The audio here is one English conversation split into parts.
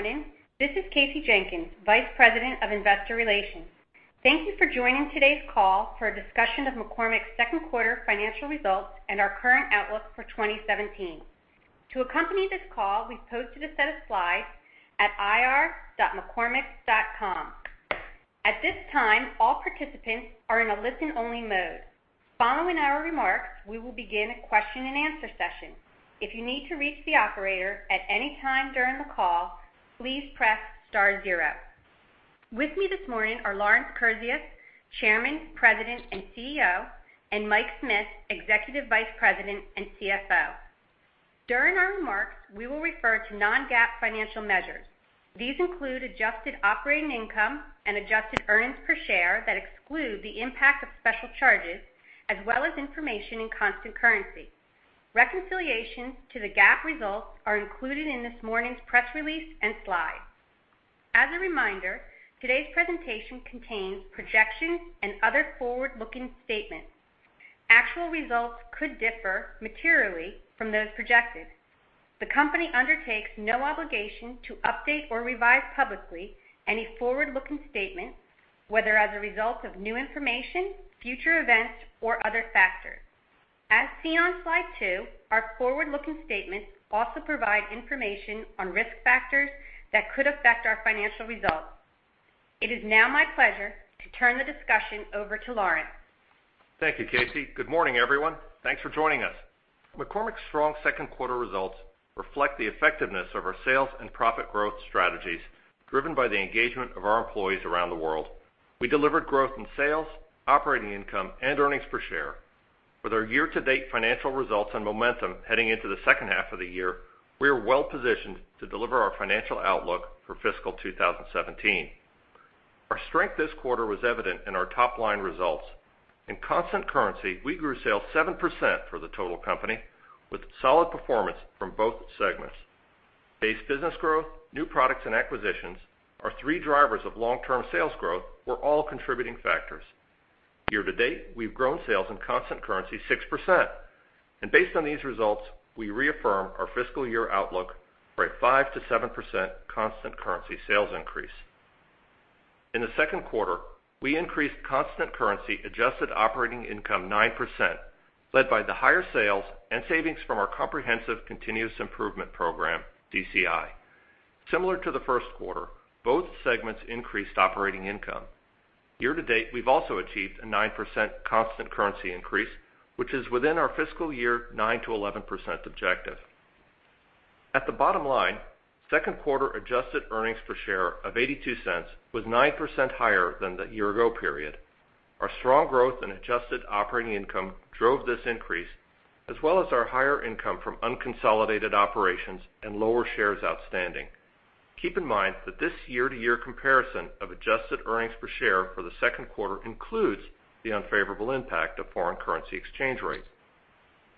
Good morning. This is Kasey Jenkins, Vice President of Investor Relations. Thank you for joining today's call for a discussion of McCormick's second quarter financial results and our current outlook for 2017. To accompany this call, we've posted a set of slides at ir.mccormick.com. At this time, all participants are in a listen-only mode. Following our remarks, we will begin a question and answer session. If you need to reach the operator at any time during the call, please press star zero. With me this morning are Lawrence Kurzius, Chairman, President, and CEO, and Mike Smith, Executive Vice President and CFO. During our remarks, we will refer to non-GAAP financial measures. These include adjusted operating income and adjusted earnings per share that exclude the impact of special charges, as well as information in constant currency. Reconciliations to the GAAP results are included in this morning's press release and slides. As a reminder, today's presentation contains projections and other forward-looking statements. Actual results could differ materially from those projected. The company undertakes no obligation to update or revise publicly any forward-looking statements, whether as a result of new information, future events, or other factors. As seen on slide two, our forward-looking statements also provide information on risk factors that could affect our financial results. It is now my pleasure to turn the discussion over to Lawrence. Thank you, Kasey. Good morning, everyone. Thanks for joining us. McCormick's strong second quarter results reflect the effectiveness of our sales and profit growth strategies, driven by the engagement of our employees around the world. We delivered growth in sales, operating income, and earnings per share. With our year-to-date financial results and momentum heading into the second half of the year, we are well positioned to deliver our financial outlook for fiscal 2017. Our strength this quarter was evident in our top-line results. In constant currency, we grew sales 7% for the total company, with solid performance from both segments. Base business growth, new products, and acquisitions, our three drivers of long-term sales growth, were all contributing factors. Year to date, we've grown sales in constant currency 6%. Based on these results, we reaffirm our fiscal year outlook for a 5%-7% constant currency sales increase. In the second quarter, we increased constant currency adjusted operating income 9%, led by the higher sales and savings from our Comprehensive Continuous Improvement program, CCI. Similar to the first quarter, both segments increased operating income. Year to date, we've also achieved a 9% constant currency increase, which is within our fiscal year 9%-11% objective. At the bottom line, second quarter adjusted earnings per share of $0.82 was 9% higher than the year ago period. Our strong growth in adjusted operating income drove this increase, as well as our higher income from unconsolidated operations and lower shares outstanding. Keep in mind that this year-to-year comparison of adjusted earnings per share for the second quarter includes the unfavorable impact of foreign currency exchange rates.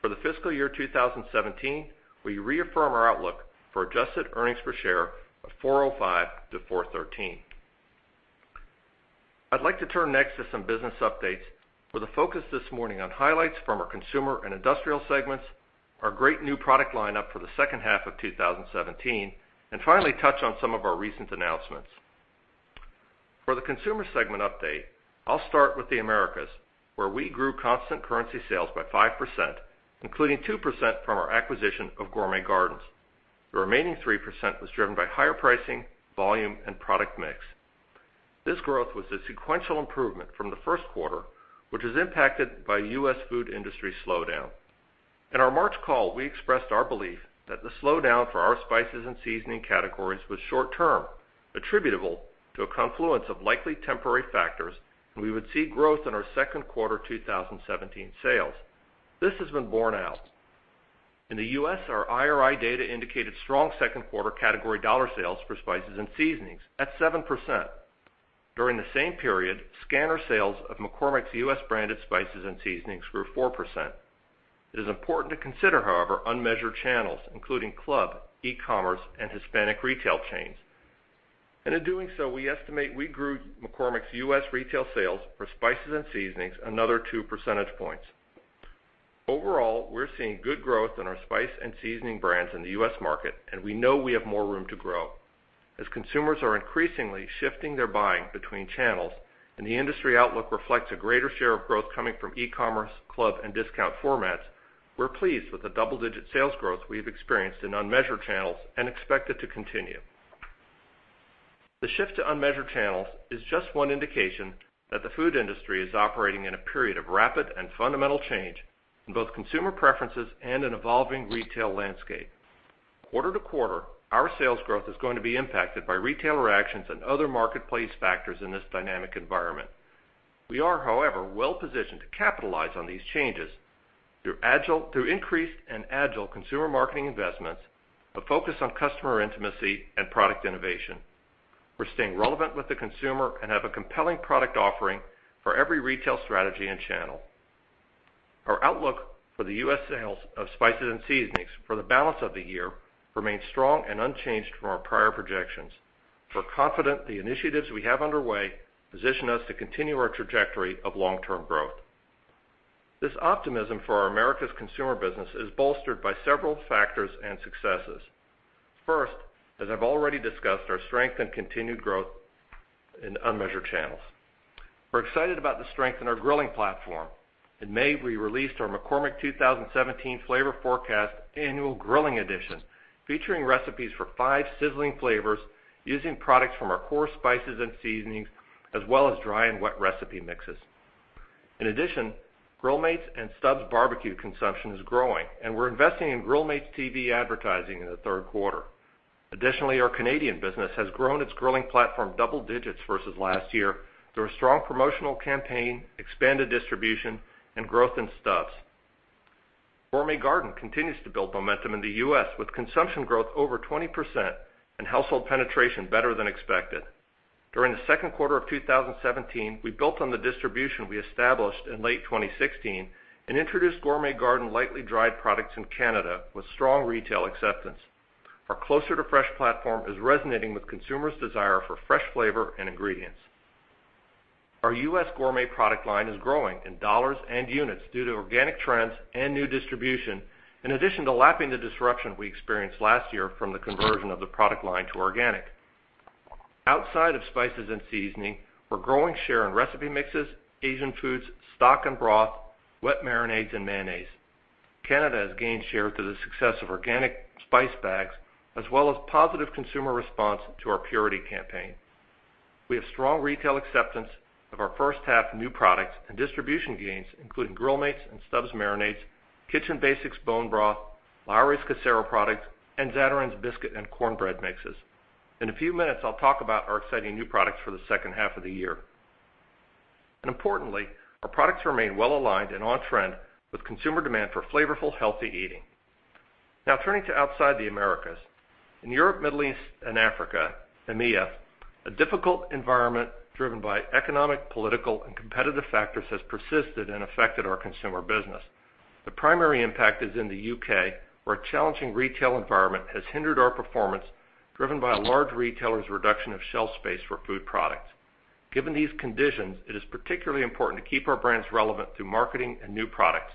For the fiscal year 2017, we reaffirm our outlook for adjusted earnings per share of $4.05-$4.13. I'd like to turn next to some business updates with a focus this morning on highlights from our consumer and industrial segments, our great new product lineup for the second half of 2017, and finally touch on some of our recent announcements. For the consumer segment update, I'll start with the Americas, where we grew constant currency sales by 5%, including 2% from our acquisition of Gourmet Garden. The remaining 3% was driven by higher pricing, volume, and product mix. This growth was a sequential improvement from the first quarter, which was impacted by a U.S. food industry slowdown. In our March call, we expressed our belief that the slowdown for our spices and seasoning categories was short-term, attributable to a confluence of likely temporary factors, and we would see growth in our second quarter 2017 sales. This has been borne out. In the U.S., our IRI data indicated strong second quarter category dollar sales for spices and seasonings at 7%. During the same period, scanner sales of McCormick's U.S. branded spices and seasonings grew 4%. It is important to consider, however, unmeasured channels, including club, e-commerce, and Hispanic retail chains. In doing so, we estimate we grew McCormick's U.S. retail sales for spices and seasonings another 2 percentage points. Overall, we're seeing good growth in our spice and seasoning brands in the U.S. market, and we know we have more room to grow. As consumers are increasingly shifting their buying between channels and the industry outlook reflects a greater share of growth coming from e-commerce, club, and discount formats, we're pleased with the double-digit sales growth we've experienced in unmeasured channels and expect it to continue. The shift to unmeasured channels is just one indication that the food industry is operating in a period of rapid and fundamental change in both consumer preferences and an evolving retail landscape. Quarter to quarter, our sales growth is going to be impacted by retailer actions and other marketplace factors in this dynamic environment. We are, however, well positioned to capitalize on these changes through increased and agile consumer marketing investments, a focus on customer intimacy, and product innovation. We're staying relevant with the consumer and have a compelling product offering for every retail strategy and channel. Our outlook for the U.S. sales of spices and seasonings for the balance of the year remains strong and unchanged from our prior projections. We're confident the initiatives we have underway position us to continue our trajectory of long-term growth. This optimism for our Americas' consumer business is bolstered by several factors and successes. First, as I've already discussed, our strength and continued growth in unmeasured channels. We're excited about the strength in our grilling platform. In May, we released our McCormick Flavor Forecast 2017: Grilling Edition, featuring recipes for 5 sizzling flavors using products from our core spices and seasonings, as well as dry and wet recipe mixes. In addition, Grill Mates and Stubb's barbecue consumption is growing, and we're investing in Grill Mates TV advertising in the third quarter. Additionally, our Canadian business has grown its grilling platform double digits versus last year through a strong promotional campaign, expanded distribution, and growth in Stubb's. Gourmet Garden continues to build momentum in the U.S., with consumption growth over 20% and household penetration better than expected. During the second quarter of 2017, we built on the distribution we established in late 2016 and introduced Gourmet Garden lightly dried products in Canada with strong retail acceptance. Our Closer to Fresh platform is resonating with consumers' desire for fresh flavor and ingredients. Our U.S. gourmet product line is growing in dollars and units due to organic trends and new distribution, in addition to lapping the disruption we experienced last year from the conversion of the product line to organic. Outside of spices and seasoning, we're growing share in recipe mixes, Asian foods, stock and broth, wet marinades, and mayonnaise. Canada has gained share through the success of organic spice bags, as well as positive consumer response to our purity campaign. We have strong retail acceptance of our first half new products and distribution gains, including Grill Mates and Stubb's marinades, Kitchen Basics bone broth, Lawry's Casero products, and Zatarain's biscuit and cornbread mixes. In a few minutes, I'll talk about our exciting new products for the second half of the year. Importantly, our products remain well-aligned and on trend with consumer demand for flavorful, healthy eating. Now turning to outside the Americas. In Europe, Middle East, and Africa, EMEA, a difficult environment driven by economic, political, and competitive factors has persisted and affected our consumer business. The primary impact is in the U.K., where a challenging retail environment has hindered our performance, driven by a large retailer's reduction of shelf space for food products. Given these conditions, it is particularly important to keep our brands relevant through marketing and new products.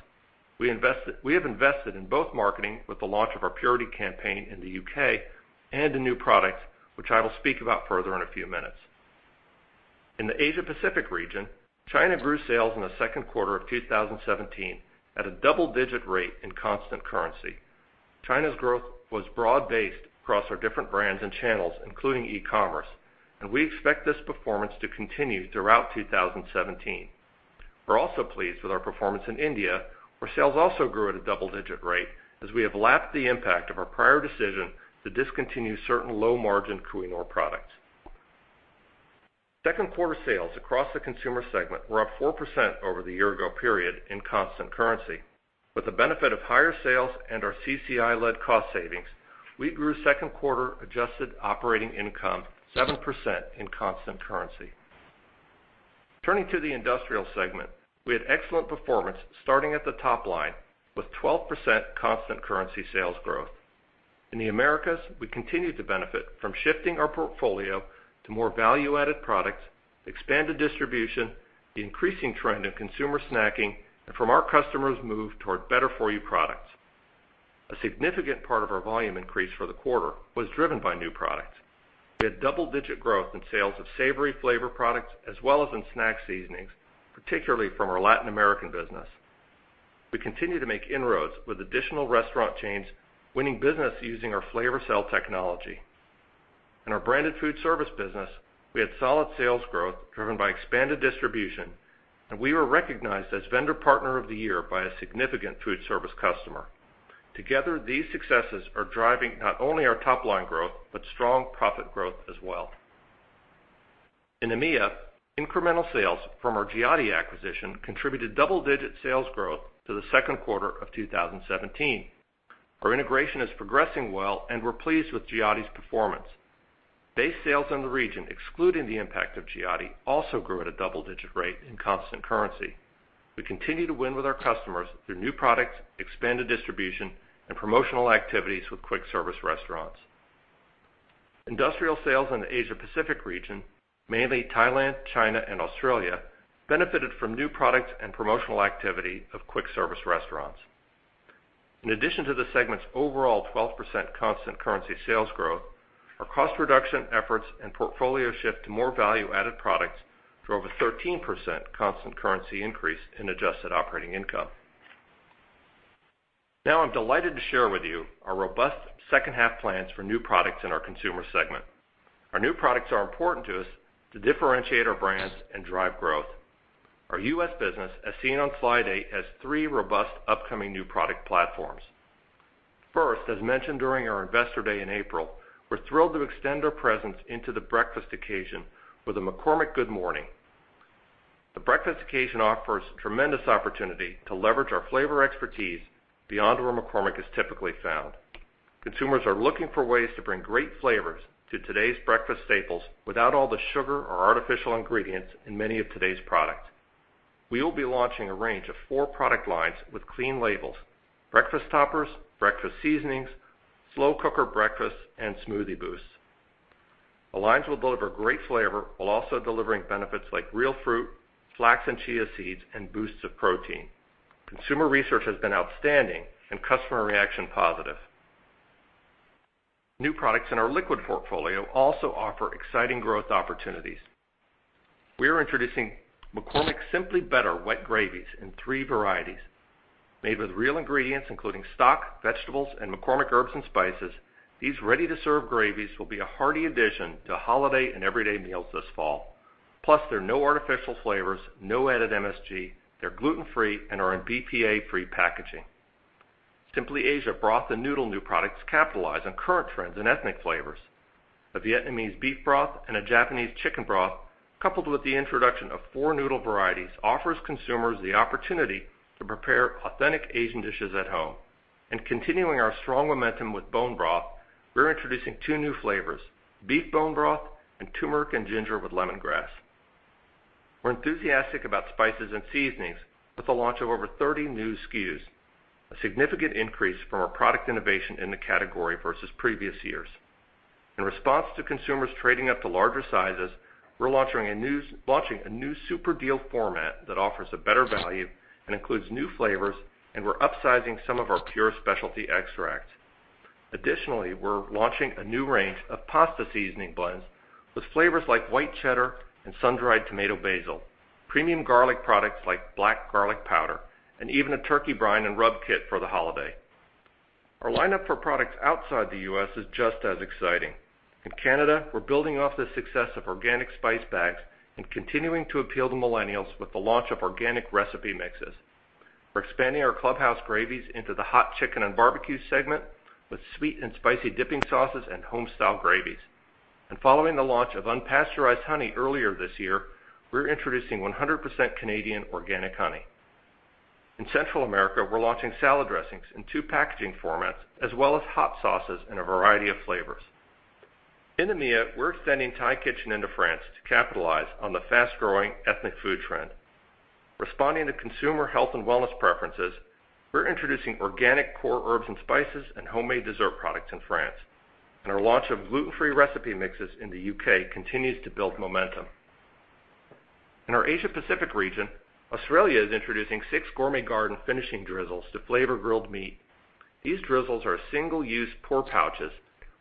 We have invested in both marketing with the launch of our purity campaign in the U.K. and in new products, which I will speak about further in a few minutes. In the Asia Pacific region, China grew sales in the second quarter of 2017 at a double-digit rate in constant currency. China's growth was broad-based across our different brands and channels, including e-commerce, and we expect this performance to continue throughout 2017. We're also pleased with our performance in India, where sales also grew at a double-digit rate as we have lapped the impact of our prior decision to discontinue certain low-margin Cuisinart products. Second quarter sales across the consumer segment were up 4% over the year ago period in constant currency. With the benefit of higher sales and our CCI-led cost savings, we grew second quarter adjusted operating income 7% in constant currency. Turning to the Industrial segment, we had excellent performance starting at the top line with 12% constant currency sales growth. In the Americas, we continue to benefit from shifting our portfolio to more value-added products, expanded distribution, the increasing trend in consumer snacking, and from our customers' move toward better-for-you products. A significant part of our volume increase for the quarter was driven by new products. We had double-digit growth in sales of savory flavor products as well as in snack seasonings, particularly from our Latin American business. We continue to make inroads with additional restaurant chains, winning business using our FlavorCell technology. In our branded food service business, we had solid sales growth driven by expanded distribution, and we were recognized as vendor partner of the year by a significant food service customer. Together, these successes are driving not only our top-line growth, but strong profit growth as well. In EMEA, incremental sales from our Giotti acquisition contributed double-digit sales growth to the second quarter of 2017. Our integration is progressing well and we're pleased with Giotti's performance. Base sales in the region, excluding the impact of Giotti, also grew at a double-digit rate in constant currency. We continue to win with our customers through new products, expanded distribution, and promotional activities with quick service restaurants. Industrial sales in the Asia Pacific region, mainly Thailand, China, and Australia, benefited from new products and promotional activity of quick service restaurants. In addition to the segment's overall 12% constant currency sales growth, our cost reduction efforts and portfolio shift to more value-added products drove a 13% constant currency increase in adjusted operating income. I'm delighted to share with you our robust second half plans for new products in our consumer segment. Our new products are important to us to differentiate our brands and drive growth. Our U.S. business, as seen on slide eight, has three robust upcoming new product platforms. First, as mentioned during our investor day in April, we're thrilled to extend our presence into the breakfast occasion with a McCormick Good Morning. The breakfast occasion offers tremendous opportunity to leverage our flavor expertise beyond where McCormick is typically found. Consumers are looking for ways to bring great flavors to today's breakfast staples without all the sugar or artificial ingredients in many of today's products. We will be launching a range of four product lines with clean labels, breakfast toppers, breakfast seasonings, slow cooker breakfast, and smoothie boosts. The lines will deliver great flavor while also delivering benefits like real fruit, flax and chia seeds, and boosts of protein. Consumer research has been outstanding, and customer reaction positive. New products in our liquid portfolio also offer exciting growth opportunities. We are introducing McCormick's Simply Better Wet Gravies in three varieties. Made with real ingredients, including stock, vegetables, and McCormick herbs and spices, these ready-to-serve gravies will be a hearty addition to holiday and everyday meals this fall. Plus, there are no artificial flavors, no added MSG, they're gluten-free, and are in BPA-free packaging. Simply Asia broth and noodle new products capitalize on current trends in ethnic flavors. A Vietnamese beef broth and a Japanese chicken broth, coupled with the introduction of four noodle varieties, offers consumers the opportunity to prepare authentic Asian dishes at home. Continuing our strong momentum with bone broth, we're introducing two new flavors, beef bone broth and turmeric and ginger with lemongrass. We're enthusiastic about spices and seasonings with the launch of over 30 new SKUs, a significant increase from our product innovation in the category versus previous years. In response to consumers trading up to larger sizes, we're launching a new super deal format that offers a better value and includes new flavors, and we're upsizing some of our pure specialty extracts. Additionally, we're launching a new range of pasta seasoning blends with flavors like white cheddar and sun-dried tomato basil, premium garlic products like black garlic powder, and even a turkey brine and rub kit for the holiday. Our lineup for products outside the U.S. is just as exciting. In Canada, we're building off the success of organic spice bags and continuing to appeal to millennials with the launch of organic recipe mixes. We're expanding our Club House gravies into the hot chicken and barbecue segment with sweet and spicy dipping sauces and home-style gravies. Following the launch of unpasteurized honey earlier this year, we're introducing 100% Canadian organic honey. In Central America, we're launching salad dressings in two packaging formats, as well as hot sauces in a variety of flavors. In EMEA, we're extending Thai Kitchen into France to capitalize on the fast-growing ethnic food trend. Responding to consumer health and wellness preferences, we're introducing organic core herbs and spices and homemade dessert products in France. Our launch of gluten-free recipe mixes in the U.K. continues to build momentum. In our Asia Pacific region, Australia is introducing six Gourmet Garden finishing drizzles to flavor grilled meat. These drizzles are single-use pour pouches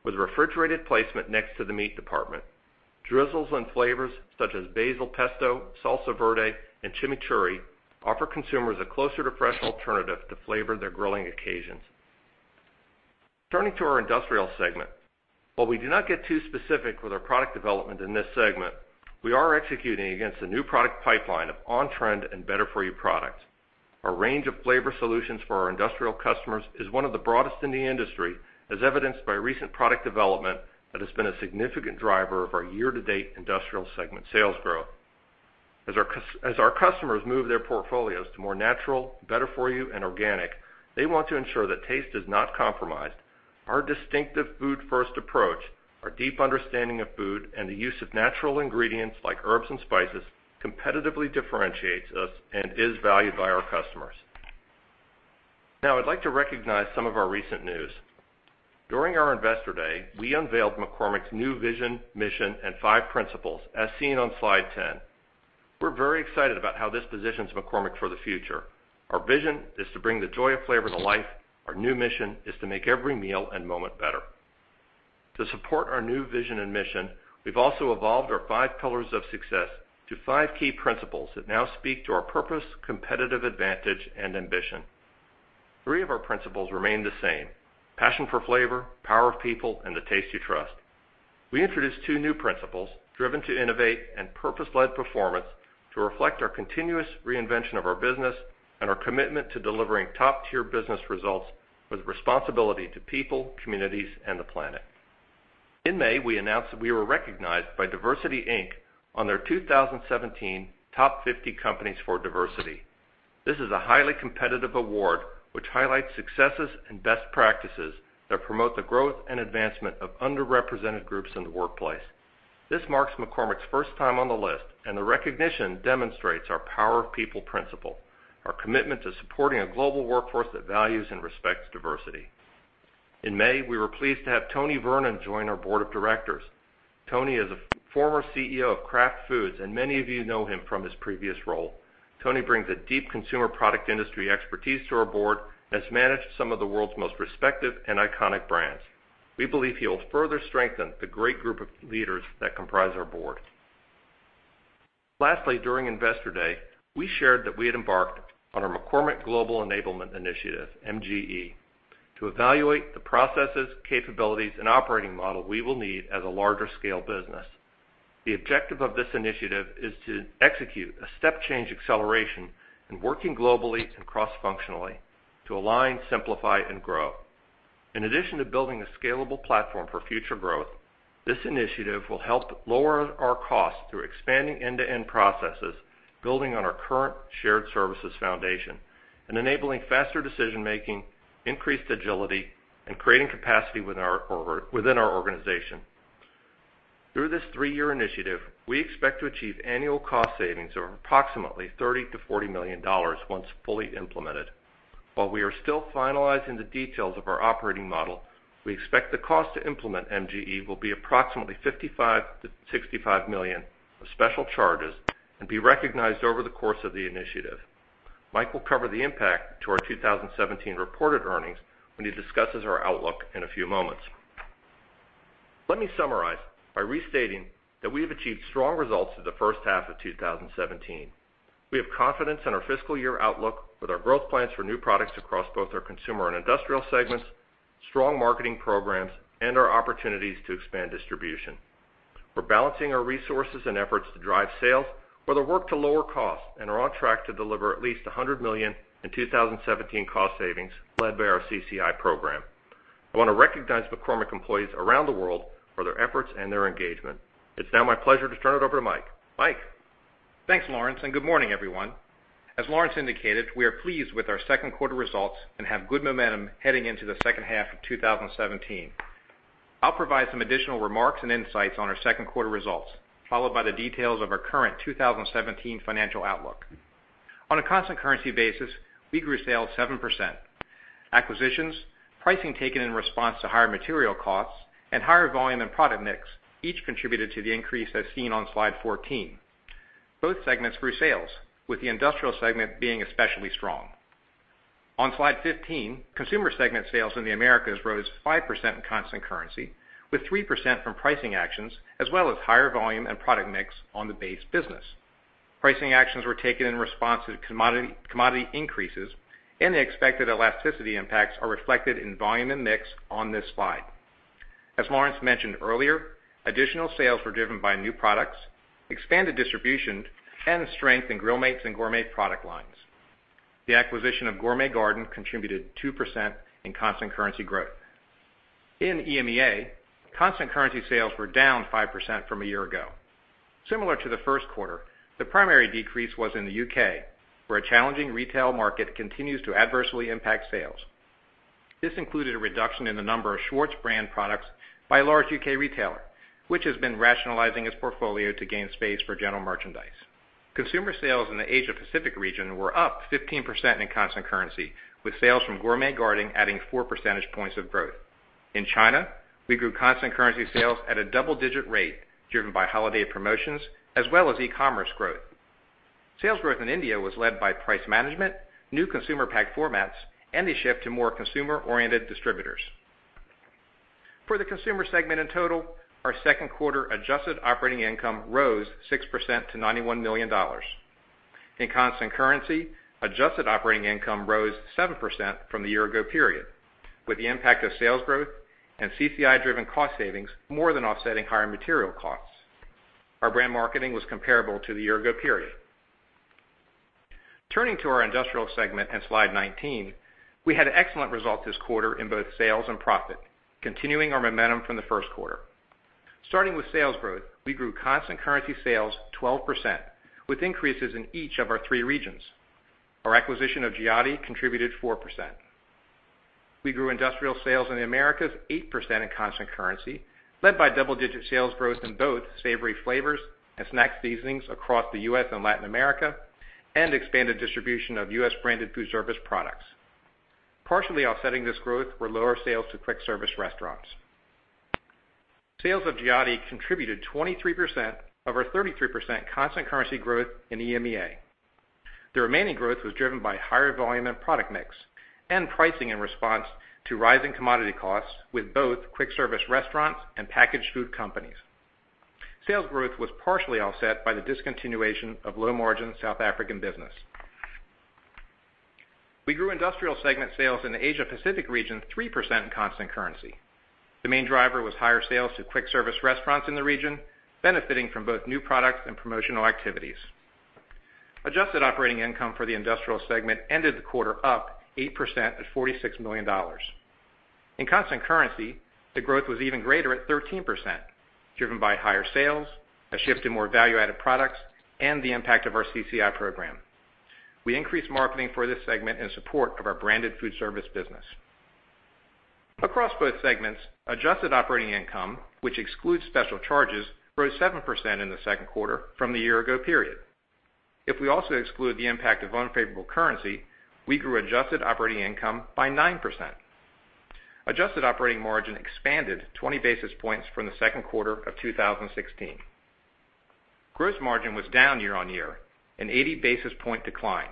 with refrigerated placement next to the meat department. Drizzles and flavors such as basil pesto, salsa verde, and chimichurri offer consumers a Closer to Fresh alternative to flavor their grilling occasions. Turning to our industrial segment. While we do not get too specific with our product development in this segment, we are executing against a new product pipeline of on-trend and better-for-you products. Our range of flavor solutions for our industrial customers is one of the broadest in the industry, as evidenced by recent product development that has been a significant driver of our year-to-date industrial segment sales growth. As our customers move their portfolios to more natural, better-for-you, and organic, they want to ensure that taste is not compromised. Our distinctive food-first approach, our deep understanding of food, and the use of natural ingredients like herbs and spices competitively differentiates us and is valued by our customers. Now, I'd like to recognize some of our recent news. During our Investor Day, we unveiled McCormick's new vision, mission, and five principles, as seen on slide 10. We're very excited about how this positions McCormick for the future. Our vision is to bring the joy of flavor to life. Our new mission is to make every meal and moment better. To support our new vision and mission, we've also evolved our five pillars of success to five key principles that now speak to our purpose, competitive advantage, and ambition. Three of our principles remain the same: Passion for Flavor, Power of People, and The Taste You Trust. We introduced two new principles, Driven to Innovate and Purpose-Led Performance, to reflect our continuous reinvention of our business and our commitment to delivering top-tier business results with responsibility to people, communities, and the planet. In May, we announced that we were recognized by DiversityInc on their 2017 Top 50 Companies for Diversity. This is a highly competitive award which highlights successes and best practices that promote the growth and advancement of underrepresented groups in the workplace. This marks McCormick's first time on the list, and the recognition demonstrates our Power of People principle, our commitment to supporting a global workforce that values and respects diversity. In May, we were pleased to have Tony Vernon join our board of directors. Tony is a former CEO of Kraft Foods, and many of you know him from his previous role. Tony brings a deep consumer product industry expertise to our board, has managed some of the world's most respected and iconic brands. We believe he will further strengthen the great group of leaders that comprise our board. Lastly, during Investor Day, we shared that we had embarked on our McCormick Global Enablement initiative, MGE, to evaluate the processes, capabilities, and operating model we will need as a larger scale business. The objective of this initiative is to execute a step change acceleration in working globally and cross-functionally to align, simplify, and grow. In addition to building a scalable platform for future growth, this initiative will help lower our costs through expanding end-to-end processes, building on our current shared services foundation and enabling faster decision making, increased agility, and creating capacity within our organization. Through this three-year initiative, we expect to achieve annual cost savings of approximately $30 million-$40 million once fully implemented. While we are still finalizing the details of our operating model, we expect the cost to implement MGE will be approximately $55 million-$65 million of special charges and be recognized over the course of the initiative. Mike will cover the impact to our 2017 reported earnings when he discusses our outlook in a few moments. Let me summarize by restating that we have achieved strong results for the first half of 2017. We have confidence in our fiscal year outlook with our growth plans for new products across both our consumer and industrial segments, strong marketing programs, and our opportunities to expand distribution. We're balancing our resources and efforts to drive sales with the work to lower costs, and are on track to deliver at least $100 million in 2017 cost savings, led by our CCI program. I want to recognize McCormick employees around the world for their efforts and their engagement. It's now my pleasure to turn it over to Mike. Mike? Thanks, Lawrence, good morning, everyone. As Lawrence indicated, we are pleased with our second quarter results and have good momentum heading into the second half of 2017. I'll provide some additional remarks and insights on our second quarter results, followed by the details of our current 2017 financial outlook. On a constant currency basis, we grew sales 7%. Acquisitions, pricing taken in response to higher material costs, and higher volume and product mix each contributed to the increase as seen on slide 14. Both segments grew sales, with the industrial segment being especially strong. On slide 15, consumer segment sales in the Americas rose 5% in constant currency, with 3% from pricing actions, as well as higher volume and product mix on the base business. Pricing actions were taken in response to commodity increases, and the expected elasticity impacts are reflected in volume and mix on this slide. As Lawrence mentioned earlier, additional sales were driven by new products, expanded distribution, and strength in Grill Mates and Gourmet product lines. The acquisition of Gourmet Garden contributed 2% in constant currency growth. In EMEA, constant currency sales were down 5% from a year ago. Similar to the first quarter, the primary decrease was in the U.K., where a challenging retail market continues to adversely impact sales. This included a reduction in the number of Schwartz brand products by a large U.K. retailer, which has been rationalizing its portfolio to gain space for general merchandise. Consumer sales in the Asia Pacific region were up 15% in constant currency, with sales from Gourmet Garden adding four percentage points of growth. In China, we grew constant currency sales at a double-digit rate, driven by holiday promotions as well as e-commerce growth. Sales growth in India was led by price management, new consumer pack formats, and a shift to more consumer-oriented distributors. For the consumer segment in total, our second quarter adjusted operating income rose 6% to $91 million. In constant currency, adjusted operating income rose 7% from the year ago period, with the impact of sales growth and CCI-driven cost savings more than offsetting higher material costs. Our brand marketing was comparable to the year ago period. Turning to our industrial segment on slide 19, we had excellent results this quarter in both sales and profit, continuing our momentum from the first quarter. Starting with sales growth, we grew constant currency sales 12%, with increases in each of our three regions. Our acquisition of Giotti contributed 4%. We grew industrial sales in the Americas 8% in constant currency, led by double-digit sales growth in both savory flavors and snack seasonings across the U.S. and Latin America, and expanded distribution of U.S. branded food service products. Partially offsetting this growth were lower sales to quick service restaurants. Sales of Giotti contributed 23% of our 33% constant currency growth in EMEA. The remaining growth was driven by higher volume and product mix, and pricing in response to rising commodity costs with both quick service restaurants and packaged food companies. Sales growth was partially offset by the discontinuation of low-margin South African business. We grew industrial segment sales in the Asia Pacific region 3% in constant currency. The main driver was higher sales to quick service restaurants in the region, benefiting from both new products and promotional activities. Adjusted operating income for the industrial segment ended the quarter up 8% at $46 million. In constant currency, the growth was even greater at 13%, driven by higher sales, a shift to more value-added products, and the impact of our CCI program. We increased marketing for this segment in support of our branded food service business. Across both segments, adjusted operating income, which excludes special charges, rose 7% in the second quarter from the year ago period. If we also exclude the impact of unfavorable currency, we grew adjusted operating income by 9%. Adjusted operating margin expanded 20 basis points from the second quarter of 2016. Gross margin was down year-on-year, an 80 basis point decline.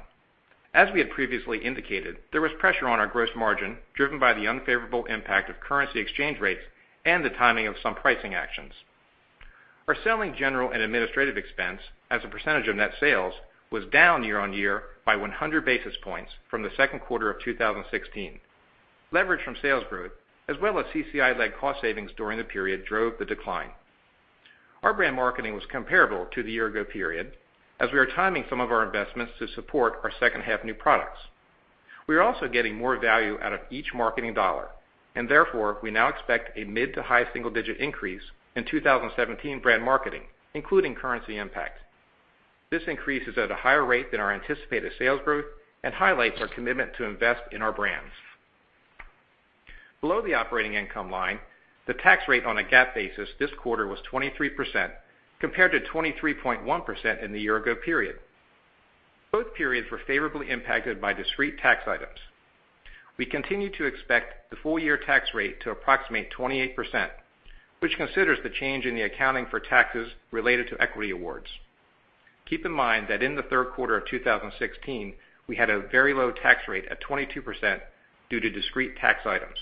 As we had previously indicated, there was pressure on our gross margin, driven by the unfavorable impact of currency exchange rates and the timing of some pricing actions. Our selling, general, and administrative expense as a percentage of net sales was down year-over-year by 100 basis points from the second quarter of 2016. Leverage from sales growth, as well as CCI-led cost savings during the period drove the decline. Our brand marketing was comparable to the year ago period, as we are timing some of our investments to support our second half new products. Therefore, we now expect a mid to high single-digit increase in 2017 brand marketing, including currency impact. This increase is at a higher rate than our anticipated sales growth and highlights our commitment to invest in our brands. Below the operating income line, the tax rate on a GAAP basis this quarter was 23% compared to 23.1% in the year ago period. Both periods were favorably impacted by discrete tax items. We continue to expect the full-year tax rate to approximate 28%, which considers the change in the accounting for taxes related to equity awards. Keep in mind that in the third quarter of 2016, we had a very low tax rate of 22% due to discrete tax items.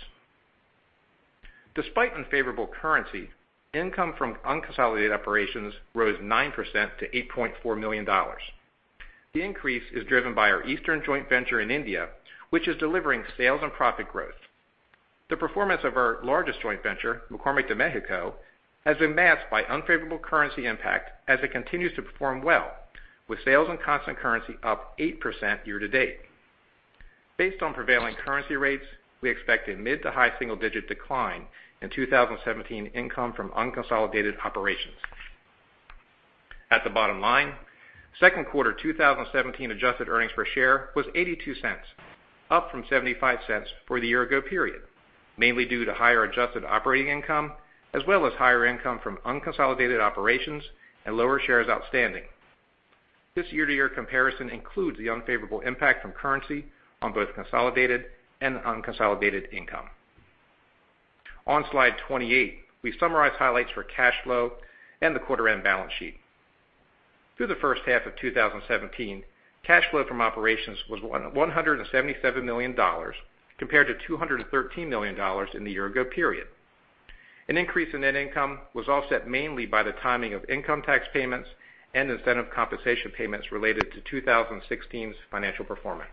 Despite unfavorable currency, income from unconsolidated operations rose 9% to $8.4 million. The increase is driven by our [eastern joint venture in India, which is delivering sales and profit growth. The performance of our largest joint venture, McCormick de Mexico, has been masked by unfavorable currency impact as it continues to perform well with sales and constant currency up 8% year-to-date. Based on prevailing currency rates, we expect a mid to high single-digit decline in 2017 income from unconsolidated operations. At the bottom line, second quarter 2017 adjusted earnings per share was $0.82, up from $0.75 for the year ago period, mainly due to higher adjusted operating income as well as higher income from unconsolidated operations and lower shares outstanding. This year-to-year comparison includes the unfavorable impact from currency on both consolidated and unconsolidated income. On slide 28, we summarize highlights for cash flow and the quarter end balance sheet. Through the first half of 2017, cash flow from operations was $177 million compared to $213 million in the year ago period. An increase in net income was offset mainly by the timing of income tax payments and incentive compensation payments related to 2016's financial performance.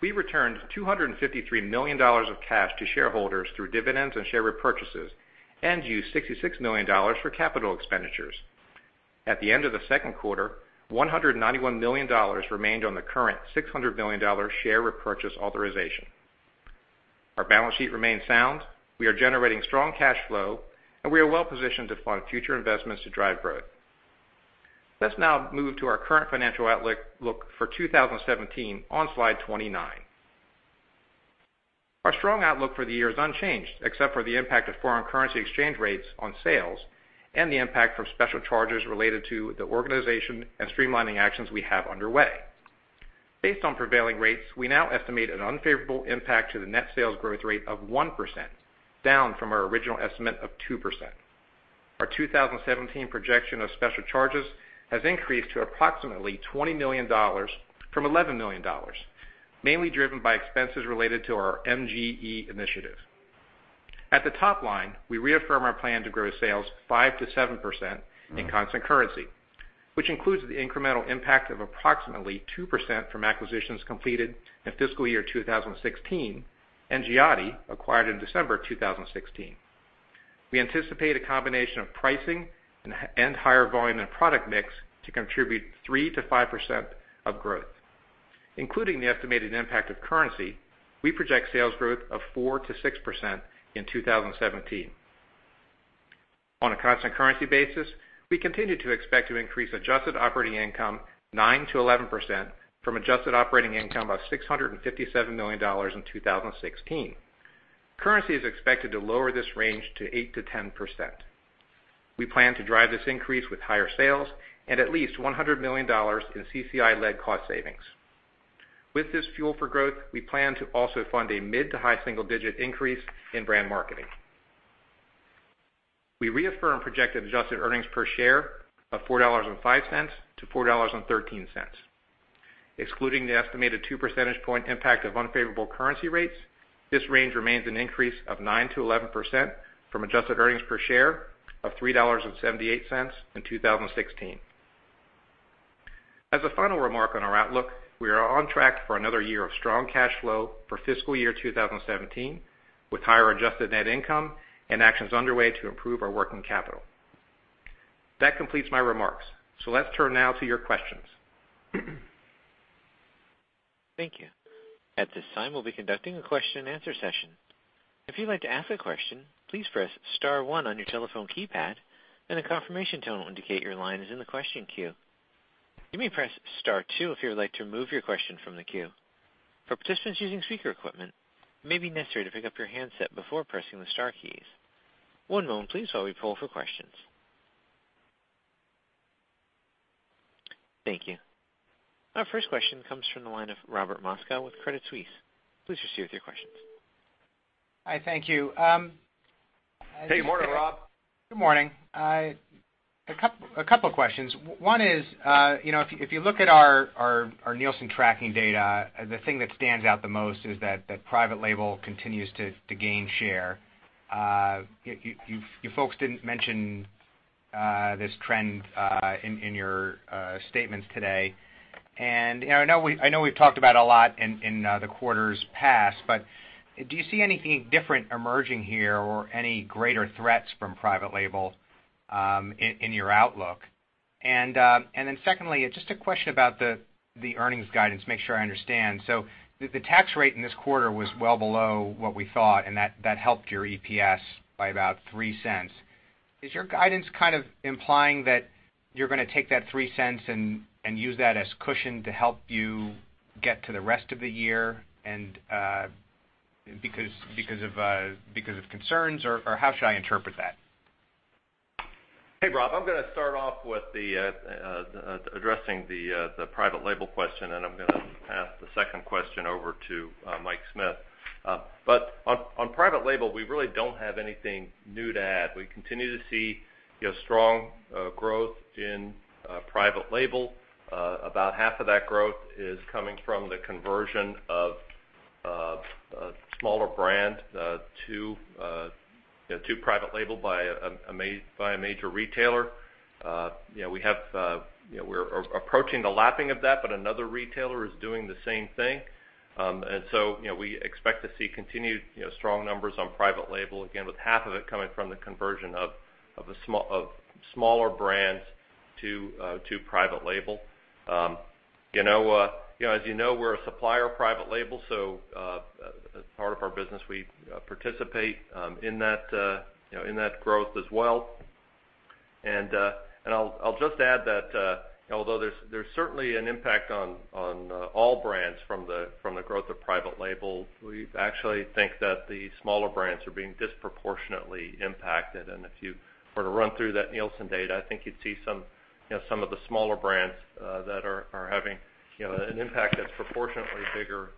We returned $253 million of cash to shareholders through dividends and share repurchases and used $66 million for capital expenditures. At the end of the second quarter, $191 million remained on the current $600 million share repurchase authorization. Our balance sheet remains sound, we are generating strong cash flow. We are well-positioned to fund future investments to drive growth. Let's now move to our current financial outlook for 2017 on slide 29. Our strong outlook for the year is unchanged except for the impact of foreign currency exchange rates on sales and the impact from special charges related to the organization and streamlining actions we have underway. Based on prevailing rates, we now estimate an unfavorable impact to the net sales growth rate of 1%, down from our original estimate of 2%. Our 2017 projection of special charges has increased to approximately $20 million from $11 million, mainly driven by expenses related to our MGE initiative. At the top line, we reaffirm our plan to grow sales 5%-7% in constant currency, which includes the incremental impact of approximately 2% from acquisitions completed in fiscal year 2016 and Giotti acquired in December 2016. We anticipate a combination of pricing and higher volume and product mix to contribute 3%-5% of growth. Including the estimated impact of currency, we project sales growth of 4%-6% in 2017. On a constant currency basis, we continue to expect to increase adjusted operating income 9%-11% from adjusted operating income of $657 million in 2016. Currency is expected to lower this range to 8%-10%. We plan to drive this increase with higher sales and at least $100 million in CCI-led cost savings. With this fuel for growth, we plan to also fund a mid to high single-digit increase in brand marketing. We reaffirm projected adjusted earnings per share of $4.05-$4.13. Excluding the estimated two percentage point impact of unfavorable currency rates, this range remains an increase of 9%-11% from adjusted earnings per share of $3.78 in 2016. As a final remark on our outlook, we are on track for another year of strong cash flow for fiscal year 2017 with higher adjusted net income and actions underway to improve our working capital. That completes my remarks. Let's turn now to your questions. Thank you. At this time, we'll be conducting a question and answer session. If you'd like to ask a question, please press star 1 on your telephone keypad and a confirmation tone will indicate your line is in the question queue. You may press star 2 if you would like to remove your question from the queue. For participants using speaker equipment, it may be necessary to pick up your handset before pressing the star keys. One moment please while we poll for questions. Thank you. Our first question comes from the line of Robert Moskow with Credit Suisse. Please proceed with your questions. Hey, morning, Rob. Good morning. A couple of questions. One is, if you look at our Nielsen tracking data, the thing that stands out the most is that private label continues to gain share. You folks didn't mention this trend in your statements today. I know we've talked about a lot in the quarters past, do you see anything different emerging here or any greater threats from private label in your outlook? Secondly, just a question about the earnings guidance, make sure I understand. The tax rate in this quarter was well below what we thought, and that helped your EPS by about $0.03. Is your guidance implying that you're going to take that $0.03 and use that as cushion to help you get to the rest of the year because of concerns? How should I interpret that? Hey, Rob. I'm going to start off with addressing the private label question, and I'm going to pass the second question over to Mike Smith. On private label, we really don't have anything new to add. We continue to see strong growth in private label. About half of that growth is coming from the conversion of a smaller brand to private label by a major retailer. We're approaching the lapping of that. Another retailer is doing the same thing. We expect to see continued strong numbers on private label, again, with half of it coming from the conversion of smaller brands to private label. As you know, we're a supplier of private label, so as part of our business, we participate in that growth as well. I'll just add that although there's certainly an impact on all brands from the growth of private label, we actually think that the smaller brands are being disproportionately impacted. If you were to run through that Nielsen data, I think you'd see some of the smaller brands that are having an impact that's proportionately bigger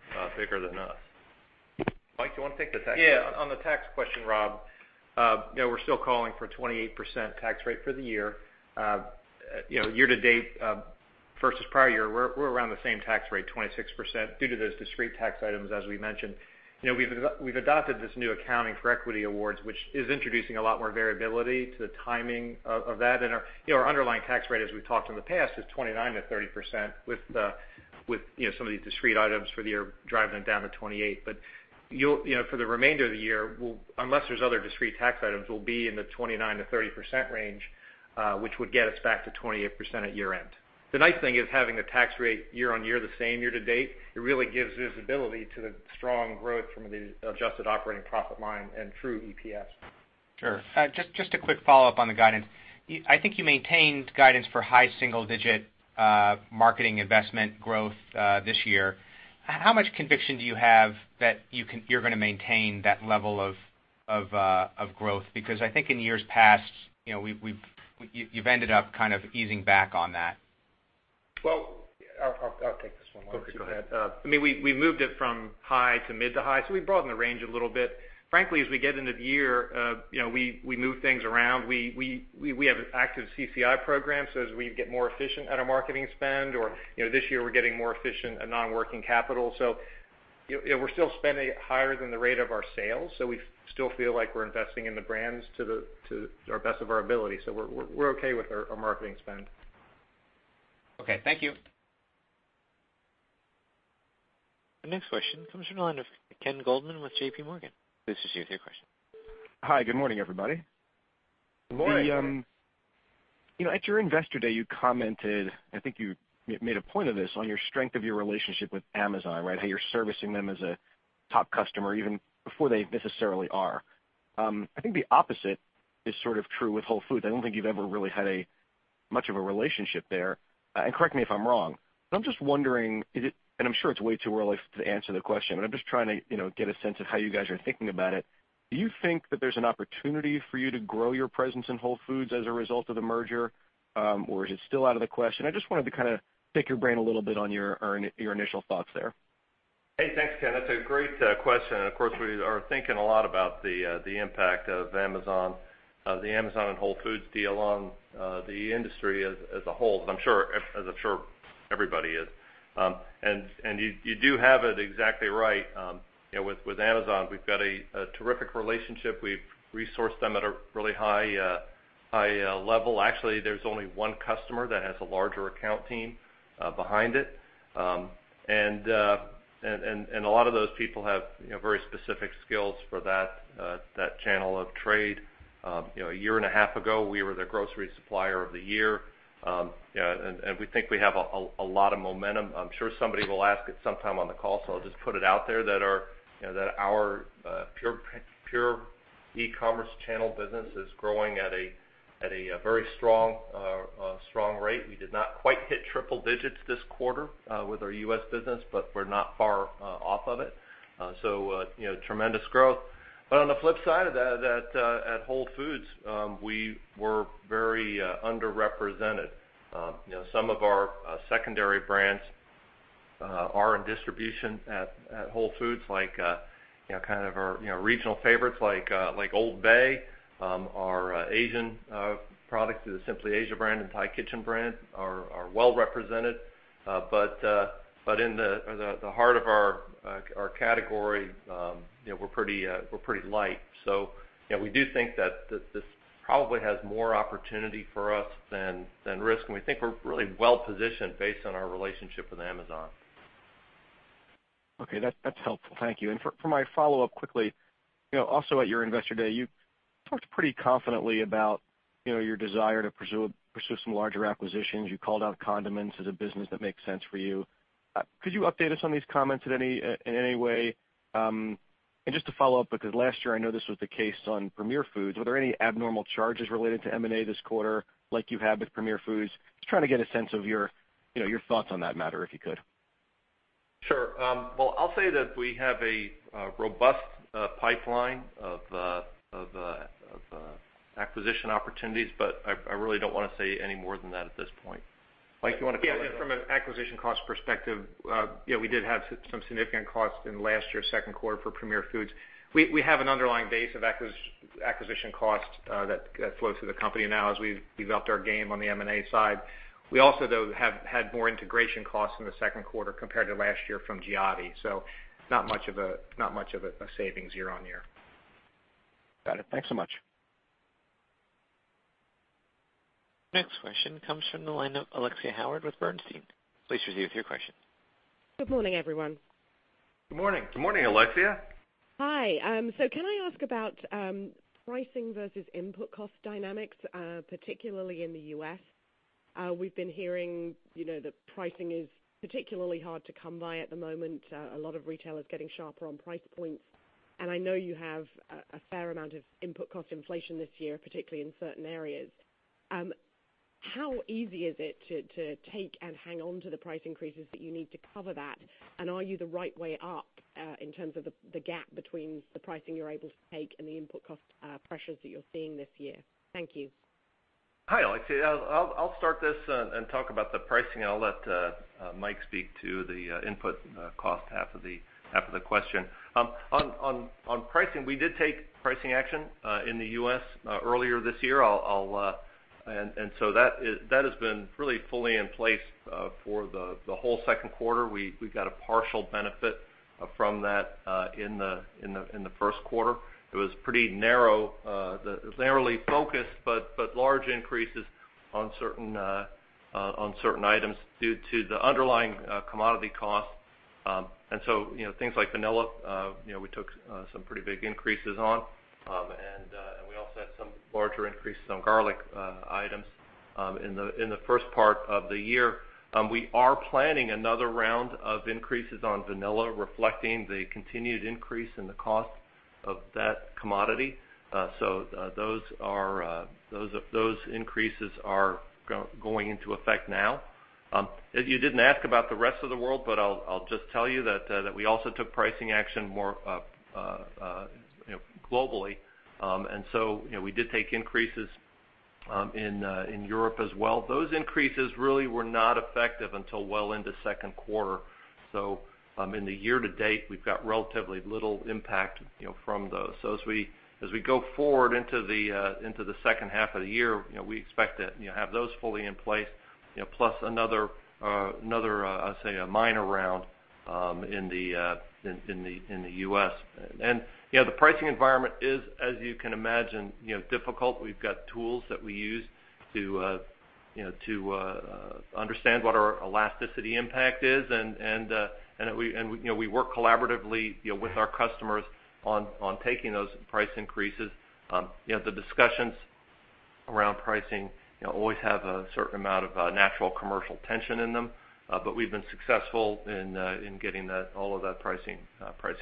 than us. Mike, do you want to take the tax question? Yeah. On the tax question, Rob, we're still calling for 28% tax rate for the year. Year-to-date versus prior year, we're around the same tax rate, 26%, due to those discrete tax items, as we mentioned. We've adopted this new accounting for equity awards, which is introducing a lot more variability to the timing of that. Our underlying tax rate, as we've talked in the past, is 29%-30% with some of these discrete items for the year driving it down to 28%. For the remainder of the year, unless there's other discrete tax items, we'll be in the 29%-30% range, which would get us back to 28% at year-end. The nice thing is having the tax rate year-over-year the same year to date, it really gives visibility to the strong growth from the adjusted operating profit line and true EPS. Sure. Just a quick follow-up on the guidance. I think you maintained guidance for high single-digit marketing investment growth this year. How much conviction do you have that you're going to maintain that level of growth? I think in years past, you've ended up easing back on that. Well, I'll take this one, Mike. Go ahead. Okay, go ahead. We moved it from high to mid to high. We broadened the range a little bit. Frankly, as we get into the year, we move things around. We have an active CCI program. As we get more efficient at our marketing spend, or this year we're getting more efficient at non-working capital, we're still spending higher than the rate of our sales. We still feel like we're investing in the brands to our best of our ability. We're okay with our marketing spend. Okay. Thank you. The next question comes from the line of Ken Goldman with JPMorgan. Please proceed with your question. Hi. Good morning, everybody. Good morning. At your Investor Day, you commented, I think you made a point of this, on your strength of your relationship with Amazon, right? How you are servicing them as a top customer even before they necessarily are. I think the opposite is true with Whole Foods. I do not think you have ever really had much of a relationship there, and correct me if I am wrong. I am just wondering, and I am sure it is way too early to answer the question, but I am just trying to get a sense of how you guys are thinking about it. Do you think that there is an opportunity for you to grow your presence in Whole Foods as a result of the merger? Or is it still out of the question? I just wanted to pick your brain a little bit on your initial thoughts there. Hey, thanks, Ken. That is a great question, and of course, we are thinking a lot about the impact of the Amazon and Whole Foods deal on the industry as a whole, as I am sure everybody is. You do have it exactly right. With Amazon, we have got a terrific relationship. We have resourced them at a really high level. Actually, there is only one customer that has a larger account team behind it. A lot of those people have very specific skills for that channel of trade. A year and a half ago, we were their grocery supplier of the year. We think we have a lot of momentum. I am sure somebody will ask it sometime on the call, I will just put it out there that our pure e-commerce channel business is growing at a very strong rate. We did not quite hit triple digits this quarter with our U.S. business, but we are not far off of it. Tremendous growth. On the flip side of that, at Whole Foods, we were very underrepresented. Some of our secondary brands are in distribution at Whole Foods, like our regional favorites like Old Bay. Our Asian products through the Simply Asia brand and Thai Kitchen brand are well-represented. In the heart of our category, we are pretty light. We do think that this probably has more opportunity for us than risk, and we think we are really well-positioned based on our relationship with Amazon. Okay. That's helpful. Thank you. For my follow-up quickly, also at your Investor Day, you talked pretty confidently about your desire to pursue some larger acquisitions. You called out condiments as a business that makes sense for you. Could you update us on these comments in any way? Just to follow up, because last year I know this was the case on Premier Foods, were there any abnormal charges related to M&A this quarter like you had with Premier Foods? Just trying to get a sense of your thoughts on that matter, if you could. Sure. Well, I'll say that we have a robust pipeline of acquisition opportunities, but I really don't want to say any more than that at this point. Mike, you want to comment on that? Yeah, from an acquisition cost perspective, we did have some significant costs in last year's second quarter for Premier Foods. We have an underlying base of acquisition costs that flow through the company now as we've developed our game on the M&A side. We also, though, have had more integration costs in the second quarter compared to last year from Giotti. Not much of a savings year on year. Got it. Thanks so much. Next question comes from the line of Alexia Howard with Bernstein. Please proceed with your question. Good morning, everyone. Good morning. Good morning, Alexia. Hi. Can I ask about pricing versus input cost dynamics, particularly in the U.S.? We've been hearing that pricing is particularly hard to come by at the moment, a lot of retailers getting sharper on price points. I know you have a fair amount of input cost inflation this year, particularly in certain areas. How easy is it to take and hang on to the price increases that you need to cover that? Are you the right way up in terms of the gap between the pricing you're able to take and the input cost pressures that you're seeing this year? Thank you. Hi, Alexia. I'll start this and talk about the pricing, and I'll let Mike speak to the input cost half of the question. On pricing, we did take pricing action in the U.S. earlier this year. That has been really fully in place for the whole second quarter. We got a partial benefit from that in the first quarter. It was pretty narrowly focused, but large increases on certain items due to the underlying commodity costs. Things like vanilla, we took some pretty big increases on, and we also had some larger increases on garlic items in the first part of the year. We are planning another round of increases on vanilla, reflecting the continued increase in the cost of that commodity. Those increases are going into effect now. You didn't ask about the rest of the world, I'll just tell you that we also took pricing action more globally. We did take increases in Europe as well. Those increases really were not effective until well into second quarter. In the year to date, we've got relatively little impact from those. As we go forward into the second half of the year, we expect to have those fully in place, plus another, I'll say, a minor round in the U.S. The pricing environment is, as you can imagine, difficult. We've got tools that we use to understand what our elasticity impact is, and we work collaboratively with our customers on taking those price increases. The discussions around pricing always have a certain amount of natural commercial tension in them. We've been successful in getting all of that pricing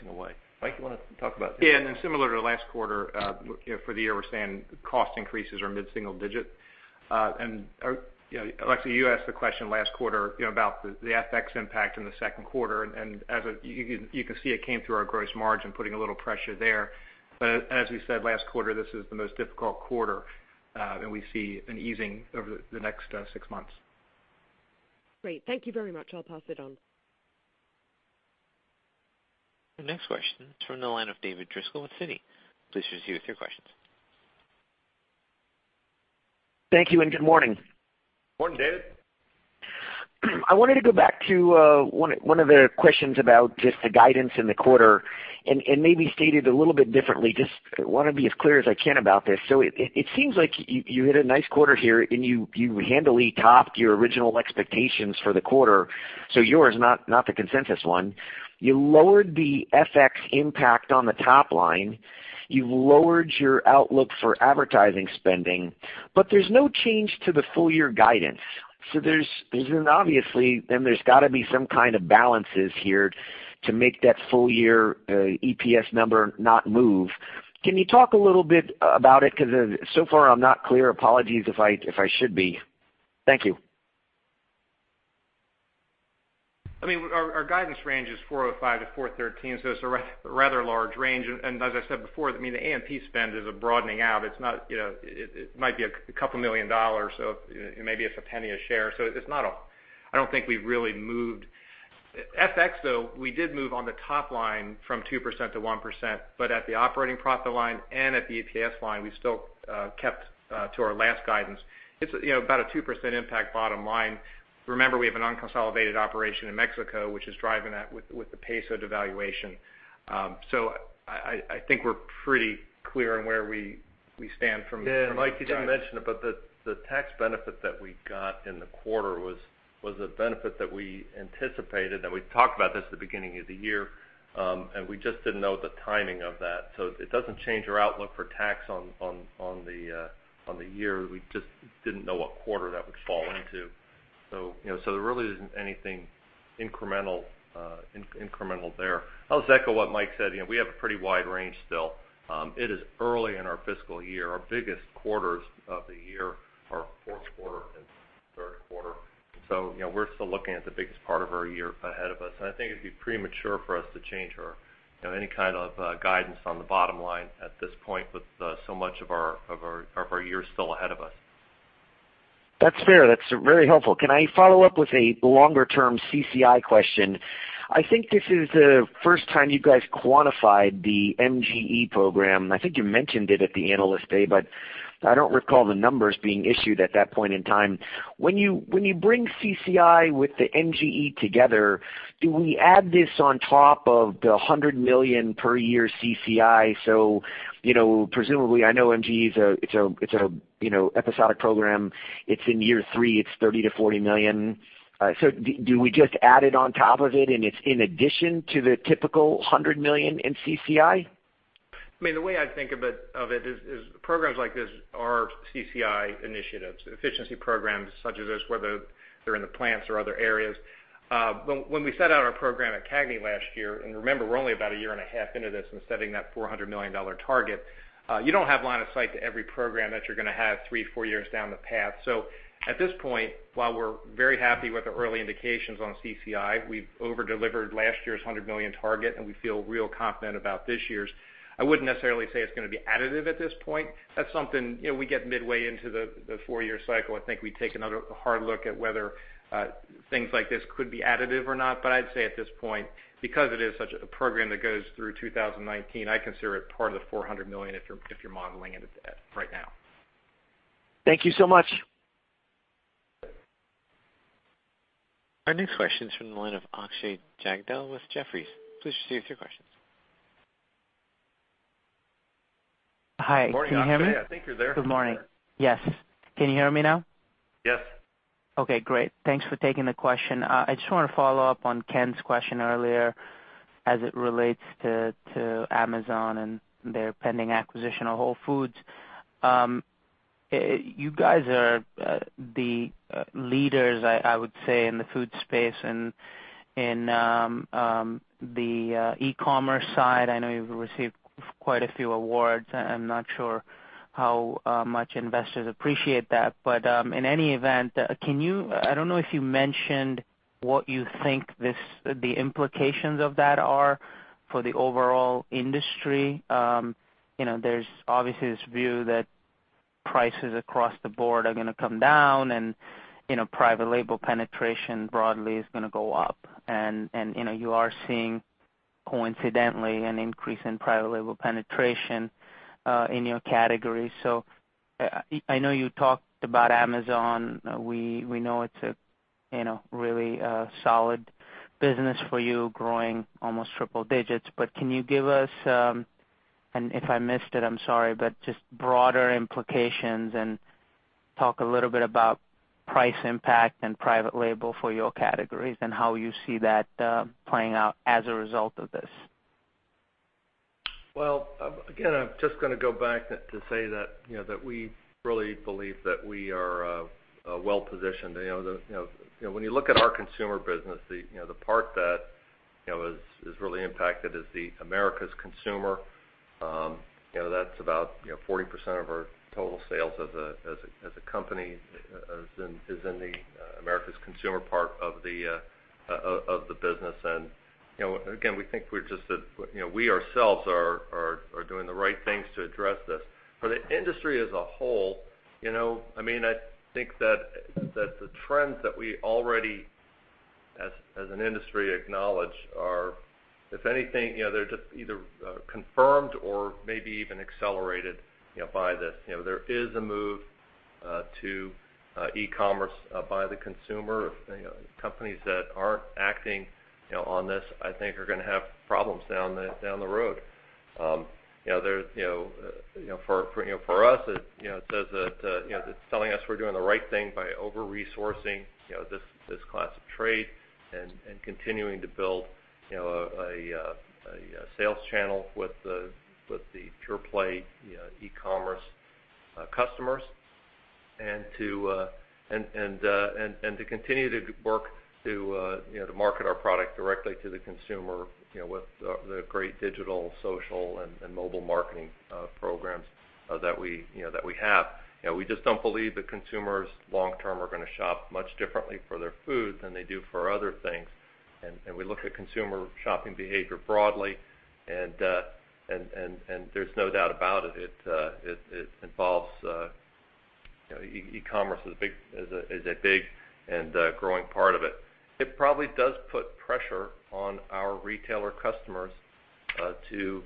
away. Mike, you want to talk about. Yeah, then similar to last quarter, for the year, we're saying cost increases are mid-single digit. Alexia, you asked the question last quarter about the FX impact in the second quarter, and as you can see, it came through our gross margin, putting a little pressure there. As we said last quarter, this is the most difficult quarter, and we see an easing over the next 6 months. Great. Thank you very much. I'll pass it on. The next question is from the line of David Driscoll with Citi. Please proceed with your questions. Thank you. Good morning. Morning, David. I wanted to go back to one of the questions about just the guidance in the quarter, and maybe state it a little bit differently. Just want to be as clear as I can about this. It seems like you hit a nice quarter here and you handily topped your original expectations for the quarter. Yours, not the consensus one. You lowered the FX impact on the top line. You've lowered your outlook for advertising spending, but there's no change to the full year guidance. There's obviously, there's got to be some kind of balances here to make that full year EPS number not move. Can you talk a little bit about it? Because so far, I'm not clear. Apologies if I should be. Thank you. Our guidance range is $4.05-$4.13, so it's a rather large range. As I said before, the A&P spend is a broadening out. It might be a couple million dollars, so maybe it's $0.01 a share. I don't think we've really moved. FX, though, we did move on the top line from 2%-1%, but at the operating profit line and at the EPS line, we still kept to our last guidance. It's about a 2% impact bottom line. Remember, we have an unconsolidated operation in Mexico, which is driving that with the peso devaluation. I think we're pretty clear on where we stand from a guidance. Mike, you didn't mention it, but the tax benefit that we got in the quarter was a benefit that we anticipated, and we talked about this at the beginning of the year. We just didn't know the timing of that. It doesn't change our outlook for tax on the year. We just didn't know what quarter that would fall into. There really isn't anything incremental there. I'll just echo what Mike said. We have a pretty wide range still. It is early in our fiscal year. Our biggest quarters of the year are fourth quarter and third quarter, so we're still looking at the biggest part of our year ahead of us. I think it'd be premature for us to change any kind of guidance on the bottom line at this point with so much of our year still ahead of us. That's fair. That's very helpful. Can I follow up with a longer-term CCI question? I think this is the first time you guys quantified the MGE program. I think you mentioned it at the Analyst Day, but I don't recall the numbers being issued at that point in time. When you bring CCI with the MGE together, do we add this on top of the $100 million per year CCI? Presumably, I know MGE, it's an episodic program. It's in year three. It's $30 million-$40 million. Do we just add it on top of it, and it's in addition to the typical $100 million in CCI? The way I think of it is programs like this are CCI initiatives. Efficiency programs such as this, whether they're in the plants or other areas. When we set out our program at CAGNY last year, and remember, we're only about a year and a half into this and setting that $400 million target, you don't have line of sight to every program that you're going to have three, four years down the path. At this point, while we're very happy with the early indications on CCI, we've over-delivered last year's $100 million target, and we feel real confident about this year's. I wouldn't necessarily say it's going to be additive at this point. That's something, we get midway into the 4-year cycle, I think we take another hard look at whether things like this could be additive or not. I'd say at this point, because it is such a program that goes through 2019, I consider it part of the $400 million if you're modeling it right now. Thank you so much. Our next question is from the line of Akshay Jagdale with Jefferies. Please proceed with your questions. Hi. Morning, Akshay. Can you hear me? I think you're there. Good morning. Yes. Can you hear me now? Yes. Okay, great. Thanks for taking the question. I just want to follow up on Ken's question earlier as it relates to Amazon and their pending acquisition of Whole Foods. You guys are the leaders, I would say, in the food space and in the e-commerce side. I know you've received quite a few awards. I'm not sure how much investors appreciate that. In any event, I don't know if you mentioned what you think the implications of that are for the overall industry. There's obviously this view that prices across the board are gonna come down, and private label penetration broadly is gonna go up, and you are seeing coincidentally an increase in private label penetration in your category. I know you talked about Amazon. We know it's a really solid business for you, growing almost triple digits. Can you give us, if I missed it, I'm sorry, but just broader implications, and talk a little bit about price impact and private label for your categories and how you see that playing out as a result of this. Well, again, I'm just gonna go back to say that we really believe that we are well-positioned. When you look at our consumer business, the part that is really impacted is the Americas Consumer. That's about 40% of our total sales as a company is in the Americas Consumer part of the business. Again, we think we ourselves are doing the right things to address this. For the industry as a whole, I think that the trends that we already, as an industry, acknowledge are, if anything, they're just either confirmed or maybe even accelerated by this. There is a move to e-commerce by the consumer. Companies that aren't acting on this, I think, are gonna have problems down the road. For us, it says that it's telling us we're doing the right thing by over-resourcing this class of trade and continuing to build a sales channel with the pure play e-commerce customers and to continue to work to market our product directly to the consumer, with the great digital, social, and mobile marketing programs that we have. We just don't believe that consumers long-term are gonna shop much differently for their food than they do for other things. We look at consumer shopping behavior broadly, and there's no doubt about it involves E-commerce is a big and growing part of it. It probably does put pressure on our retailer customers to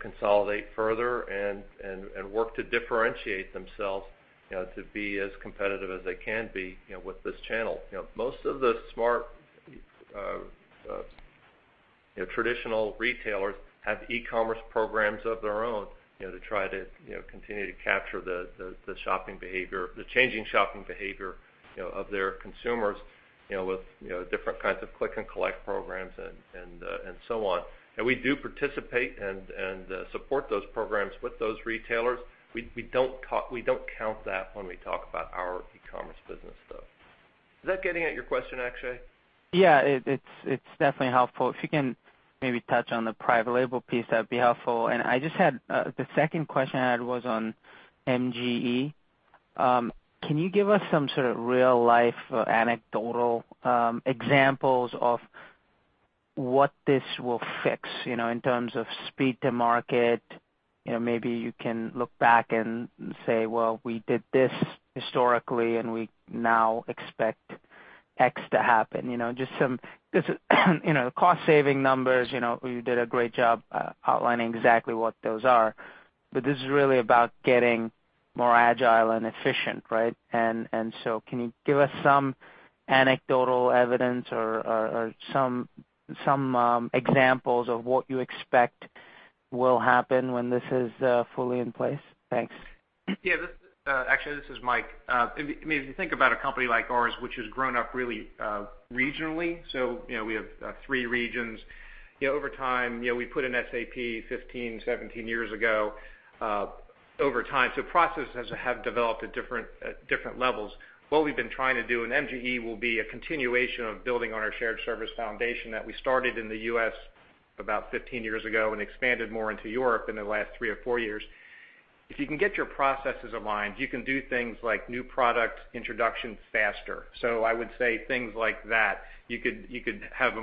consolidate further and work to differentiate themselves, to be as competitive as they can be with this channel. Most of the smart traditional retailers have e-commerce programs of their own to try to continue to capture the changing shopping behavior of their consumers. With different kinds of click and collect programs and so on. We do participate and support those programs with those retailers. We don't count that when we talk about our e-commerce business, though. Is that getting at your question, Akshay? Yeah. It's definitely helpful. If you can maybe touch on the private label piece, that'd be helpful. The second question I had was on MGE. Can you give us some sort of real-life anecdotal examples of what this will fix, in terms of speed to market? Maybe you can look back and say, "Well, we did this historically, and we now expect X to happen." Cost-saving numbers, you did a great job outlining exactly what those are. This is really about getting more agile and efficient, right? Can you give us some anecdotal evidence or some examples of what you expect will happen when this is fully in place? Thanks. Yeah. Akshay, this is Mike. If you think about a company like ours, which has grown up really regionally, we have three regions. Over time, we put in SAP 15, 17 years ago. Over time, processes have developed at different levels. What we've been trying to do, MGE will be a continuation of building on our shared service foundation that we started in the U.S. about 15 years ago and expanded more into Europe in the last three or four years. If you can get your processes aligned, you can do things like new product introductions faster. I would say things like that. You could have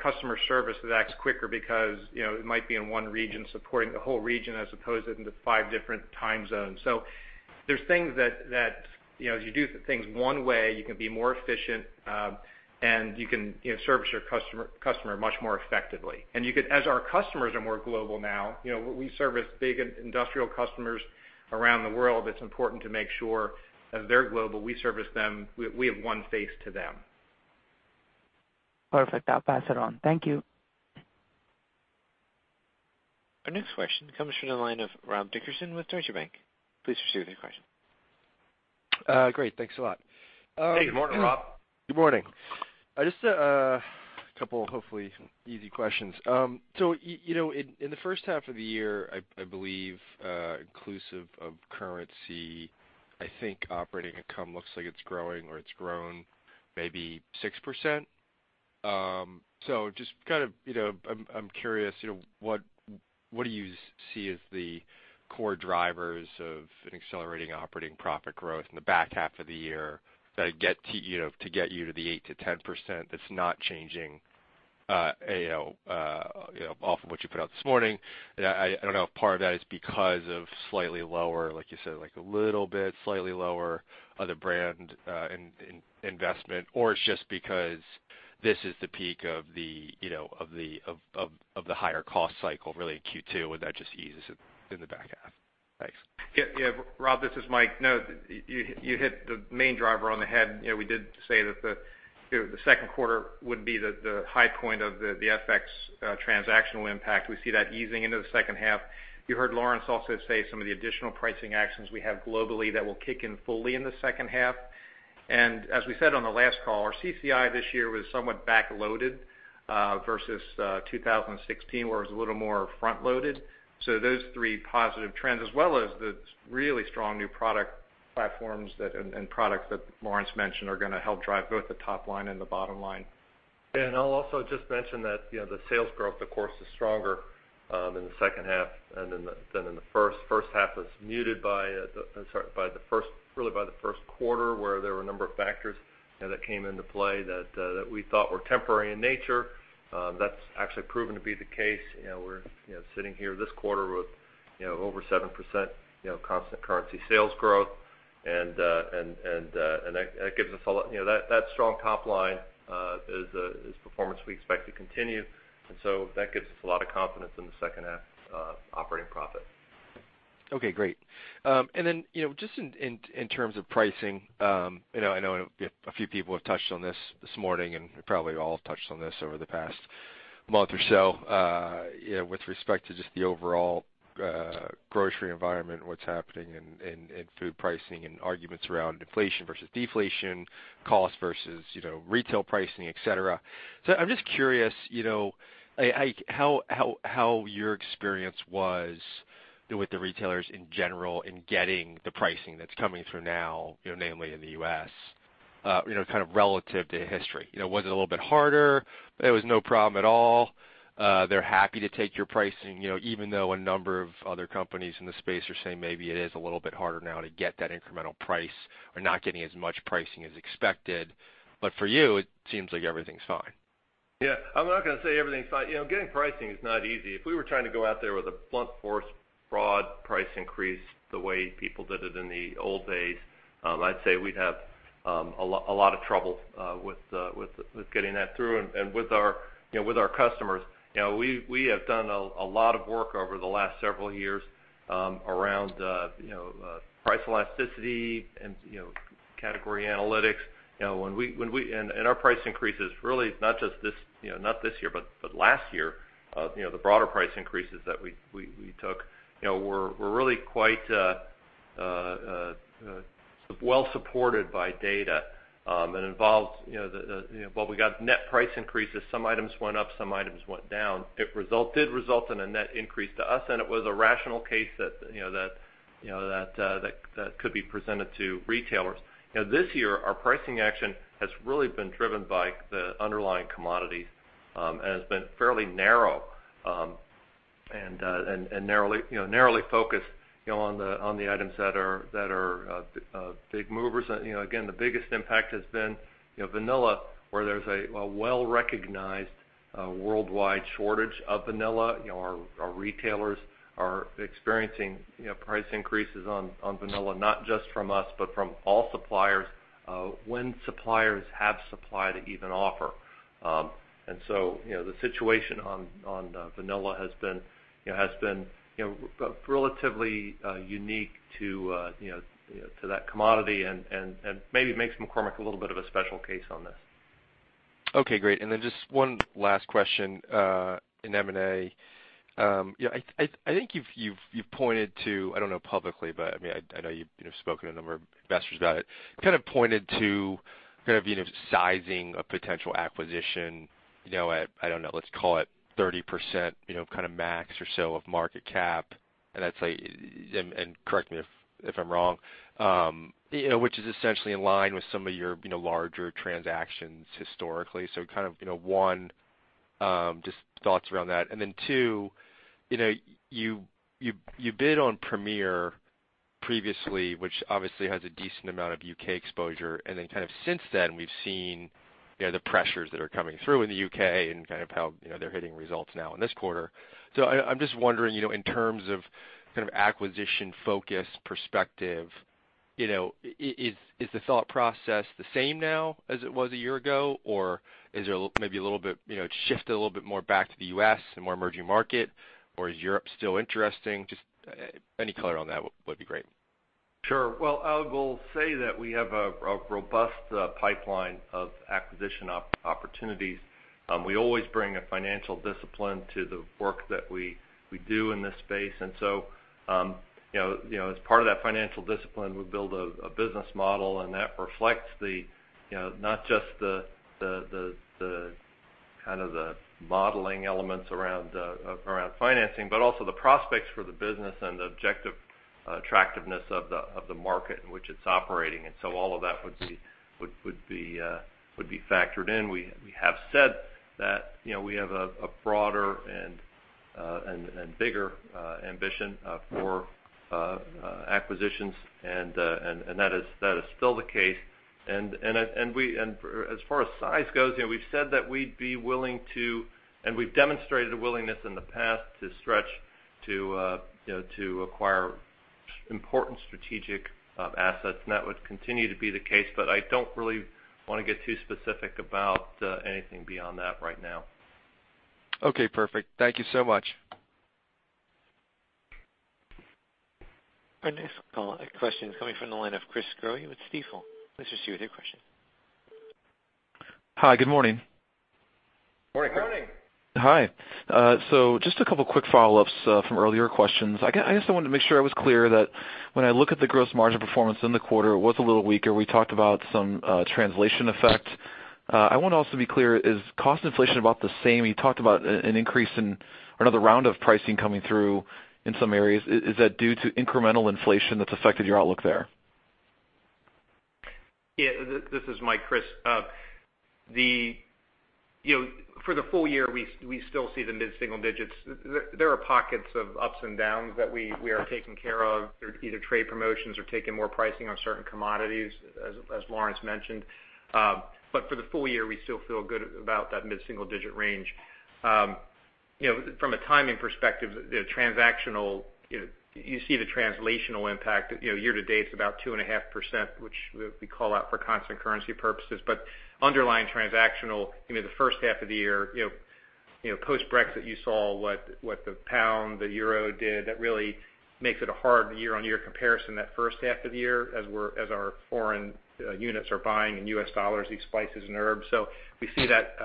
customer service that acts quicker because it might be in one region supporting the whole region as opposed to in the five different time zones. There's things that, as you do things one way, you can be more efficient, and you can service your customer much more effectively. As our customers are more global now, we service big industrial customers around the world. It's important to make sure, as they're global, we service them, we have one face to them. Perfect. I'll pass it on. Thank you. Our next question comes from the line of Rob Dickerson with Deutsche Bank. Please proceed with your question. Great. Thanks a lot. Hey, good morning, Rob. Good morning. Just a couple, hopefully, some easy questions. In the first half of the year, I believe, inclusive of currency, I think operating income looks like it's growing or it's grown maybe 6%. Just kind of, I'm curious, what do you see as the core drivers of an accelerating operating profit growth in the back half of the year that get you to the 8%-10% that's not changing off of what you put out this morning? I don't know if part of that is because of slightly lower, like you said, like a little bit slightly lower other brand investment, or it's just because this is the peak of the higher cost cycle really in Q2, and that just eases in the back half. Thanks. Yeah. Rob, this is Mike. No, you hit the main driver on the head. We did say that the second quarter would be the high point of the FX transactional impact. We see that easing into the second half. You heard Lawrence also say some of the additional pricing actions we have globally that will kick in fully in the second half. As we said on the last call, our CCI this year was somewhat back-loaded versus 2016, where it was a little more front-loaded. Those three positive trends, as well as the really strong new product platforms and products that Lawrence mentioned are going to help drive both the top line and the bottom line. I'll also just mention that the sales growth, of course, is stronger in the second half than in the first. First half was muted really by the first quarter, where there were a number of factors that came into play that we thought were temporary in nature. That's actually proven to be the case. We're sitting here this quarter with over 7% constant currency sales growth, and that strong top line is performance we expect to continue. That gives us a lot of confidence in the second half operating profit. Okay, great. Just in terms of pricing, I know a few people have touched on this this morning, and probably all touched on this over the past month or so. With respect to just the overall grocery environment and what's happening in food pricing and arguments around inflation versus deflation, cost versus retail pricing, et cetera. I'm just curious, how your experience was with the retailers in general in getting the pricing that's coming through now, namely in the U.S., kind of relative to history. Was it a little bit harder? It was no problem at all. They're happy to take your pricing, even though a number of other companies in the space are saying maybe it is a little bit harder now to get that incremental price or not getting as much pricing as expected. For you, it seems like everything's fine. Yeah. I'm not going to say everything's fine. Getting pricing is not easy. If we were trying to go out there with a blunt force broad price increase the way people did it in the old days, I'd say we'd have a lot of trouble with getting that through and with our customers. We have done a lot of work over the last several years around price elasticity and category analytics. Our price increases, really not this year, but last year, the broader price increases that we took were really quite well supported by data, and while we got net price increases, some items went up, some items went down. It did result in a net increase to us, and it was a rational case that could be presented to retailers. This year, our pricing action has really been driven by the underlying commodities, and has been fairly narrow and narrowly focused on the items that are big movers. Again, the biggest impact has been vanilla, where there's a well-recognized worldwide shortage of vanilla. Our retailers are experiencing price increases on vanilla, not just from us, but from all suppliers, when suppliers have supply to even offer. The situation on vanilla has been relatively unique to that commodity and maybe makes McCormick a little bit of a special case on this. Okay, great. Just one last question in M&A. I think you've pointed to, I don't know publicly, but I know you've spoken to a number of investors about it, kind of pointed to sizing a potential acquisition at, I don't know, let's call it 30% max or so of market cap. Correct me if I'm wrong, which is essentially in line with some of your larger transactions historically. One, just thoughts around that. Two, you bid on Premier previously, which obviously has a decent amount of U.K. exposure. Since then, we've seen the pressures that are coming through in the U.K. and how they're hitting results now in this quarter. I'm just wondering, in terms of acquisition focus perspective, is the thought process the same now as it was a year ago? Is it maybe shifted a little bit more back to the U.S. and more emerging market? Is Europe still interesting? Just any color on that would be great. Sure. Well, I will say that we have a robust pipeline of acquisition opportunities. We always bring a financial discipline to the work that we do in this space. As part of that financial discipline, we build a business model, and that reflects not just the modeling elements around financing, but also the prospects for the business and the objective attractiveness of the market in which it's operating. All of that would be factored in. We have said that we have a broader and bigger ambition for acquisitions, that is still the case. As far as size goes, we've said that we'd be willing to, and we've demonstrated a willingness in the past to stretch to acquire important strategic assets, that would continue to be the case. I don't really want to get too specific about anything beyond that right now. Okay, perfect. Thank you so much. Our next question is coming from the line of Chris Growe with Stifel. Listen to you with your question. Hi, good morning. Morning. Morning. Hi. Just a couple quick follow-ups from earlier questions. I guess I wanted to make sure I was clear that when I look at the gross margin performance in the quarter, it was a little weaker. We talked about some translation effect. I want to also be clear, is cost inflation about the same? You talked about an increase in another round of pricing coming through in some areas. Is that due to incremental inflation that's affected your outlook there? This is Mike. Chris, for the full year, we still see the mid-single digits. There are pockets of ups and downs that we are taking care of through either trade promotions or taking more pricing on certain commodities, as Lawrence mentioned. For the full year, we still feel good about that mid-single digit range. From a timing perspective, you see the translational impact year to date is about 2.5%, which we call out for constant currency purposes. Underlying transactional, the first half of the year, post-Brexit, you saw what the pound, the euro did. That really makes it a hard year-on-year comparison that first half of the year, as our foreign units are buying in U.S. dollars, these spices and herbs. We see that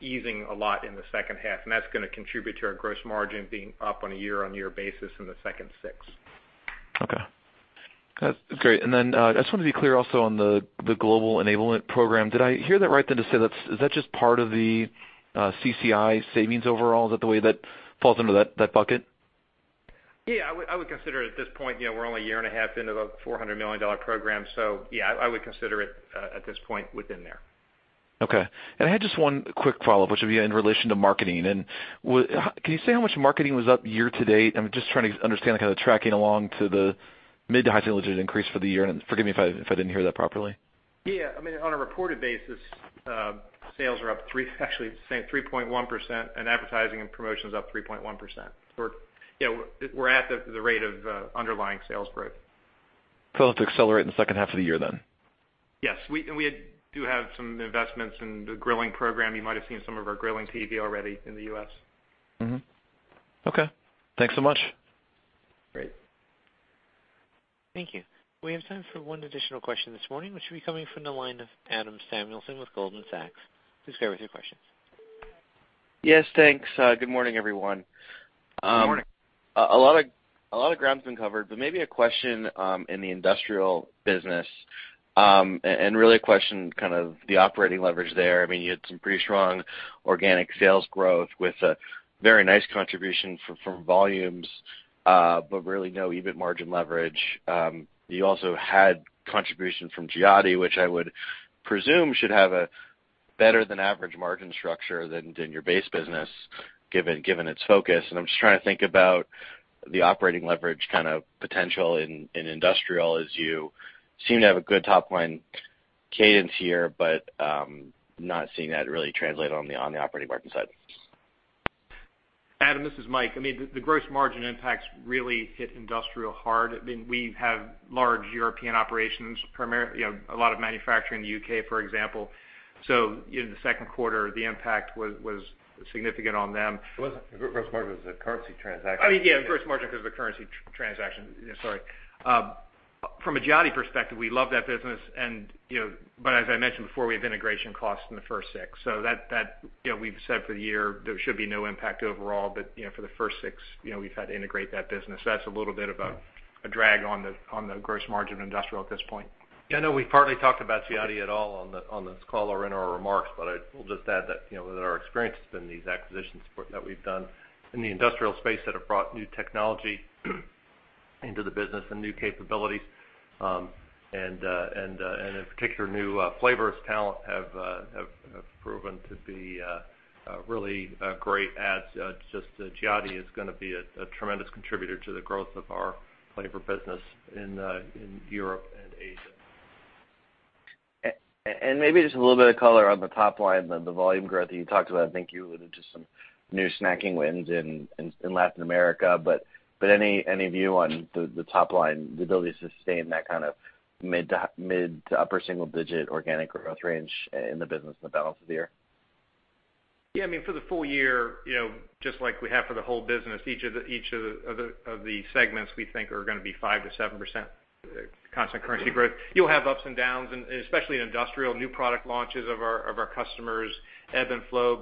easing a lot in the second half, and that's going to contribute to our gross margin being up on a year-on-year basis in the second six. Okay. That's great. I just wanted to be clear also on the Global Enablement program. Did I hear that right then to say that, is that just part of the CCI savings overall? Is that the way that falls under that bucket? Yeah, I would consider it at this point. We're only a year and a half into the $400 million program. Yeah, I would consider it at this point within there. Okay. I had just one quick follow-up, which would be in relation to marketing. Can you say how much marketing was up year-to-date? I'm just trying to understand the tracking along to the mid to high single digit increase for the year, forgive me if I didn't hear that properly. Yeah. On a reported basis, sales are up three, actually the same, 3.1%. Advertising and promotion is up 3.1%. We're at the rate of underlying sales growth. It'll have to accelerate in the second half of the year then. Yes. We do have some investments in the grilling program. You might have seen some of our grilling TV already in the U.S. Mm-hmm. Okay, thanks so much. Great. Thank you. We have time for one additional question this morning, which will be coming from the line of Adam Samuelson with Goldman Sachs. Please go with your question. Yes, thanks. Good morning, everyone. Good morning. A lot of ground's been covered, maybe a question in the industrial business, and really a question, kind of the operating leverage there. You had some pretty strong organic sales growth with a very nice contribution from volumes, but really no EBIT margin leverage. You also had contribution from Enrico Giotti S.p.A., which I would presume should have a better than average margin structure than in your base business, given its focus. I'm just trying to think about the operating leverage kind of potential in industrial, as you seem to have a good top-line cadence here, but I'm not seeing that really translate on the operating margin side. Adam, this is Mike. The gross margin impacts really hit industrial hard. We have large European operations, a lot of manufacturing in the U.K., for example. In the second quarter, the impact was significant on them. It wasn't. Gross margin was a currency transaction. Yeah, gross margin because of the currency transaction. Sorry. From a Enrico Giotti S.p.A. perspective, we love that business. As I mentioned before, we have integration costs in the first six. We've said for the year, there should be no impact overall, but for the first six, we've had to integrate that business. That's a little bit of a drag on the gross margin of industrial at this point. I know we've hardly talked about Giotti at all on this call or in our remarks. I will just add that our experience has been these acquisitions that we've done in the industrial space that have brought new technology into the business and new capabilities, and in particular, new flavors talent have proven to be really great adds. Giotti is going to be a tremendous contributor to the growth of our flavor business in Europe and Asia. Maybe just a little bit of color on the top line, the volume growth that you talked about. I think you alluded to some new snacking wins in Latin America. Any view on the top line, the ability to sustain that kind of mid to upper single-digit organic growth range in the business for the balance of the year? For the full year, just like we have for the whole business, each of the segments we think are going to be 5%-7% constant currency growth. You'll have ups and downs, especially in industrial, new product launches of our customers ebb and flow.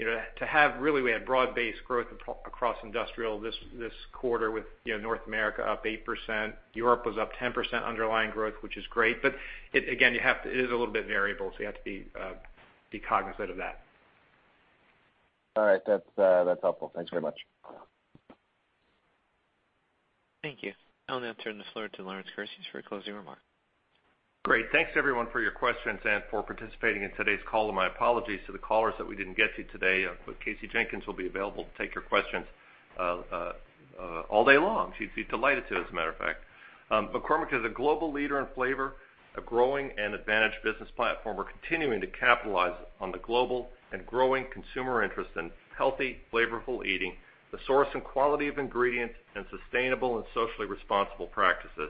To have, really, we had broad-based growth across industrial this quarter with North America up 8%. Europe was up 10% underlying growth, which is great. Again, it is a little bit variable, you have to be cognizant of that. All right. That's helpful. Thanks very much. Thank you. I'll now turn the floor to Lawrence Kurzius for closing remarks. Great. Thanks, everyone, for your questions and for participating in today's call. My apologies to the callers that we didn't get to today. Kasey Jenkins will be available to take your questions all day long. She'd be delighted to, as a matter of fact. McCormick is a global leader in flavor, a growing and advantaged business platform. We're continuing to capitalize on the global and growing consumer interest in healthy, flavorful eating, the source and quality of ingredients, and sustainable and socially responsible practices.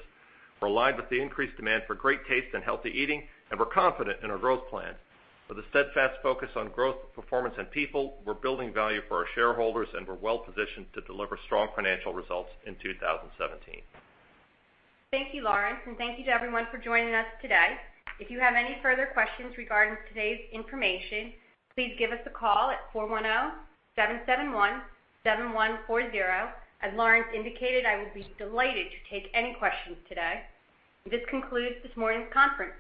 We're aligned with the increased demand for great taste and healthy eating, and we're confident in our growth plan. With a steadfast focus on growth, performance, and people, we're building value for our shareholders, and we're well positioned to deliver strong financial results in 2017. Thank you, Lawrence, and thank you to everyone for joining us today. If you have any further questions regarding today's information, please give us a call at 410-771-7140. As Lawrence indicated, I would be delighted to take any questions today. This concludes this morning's conference.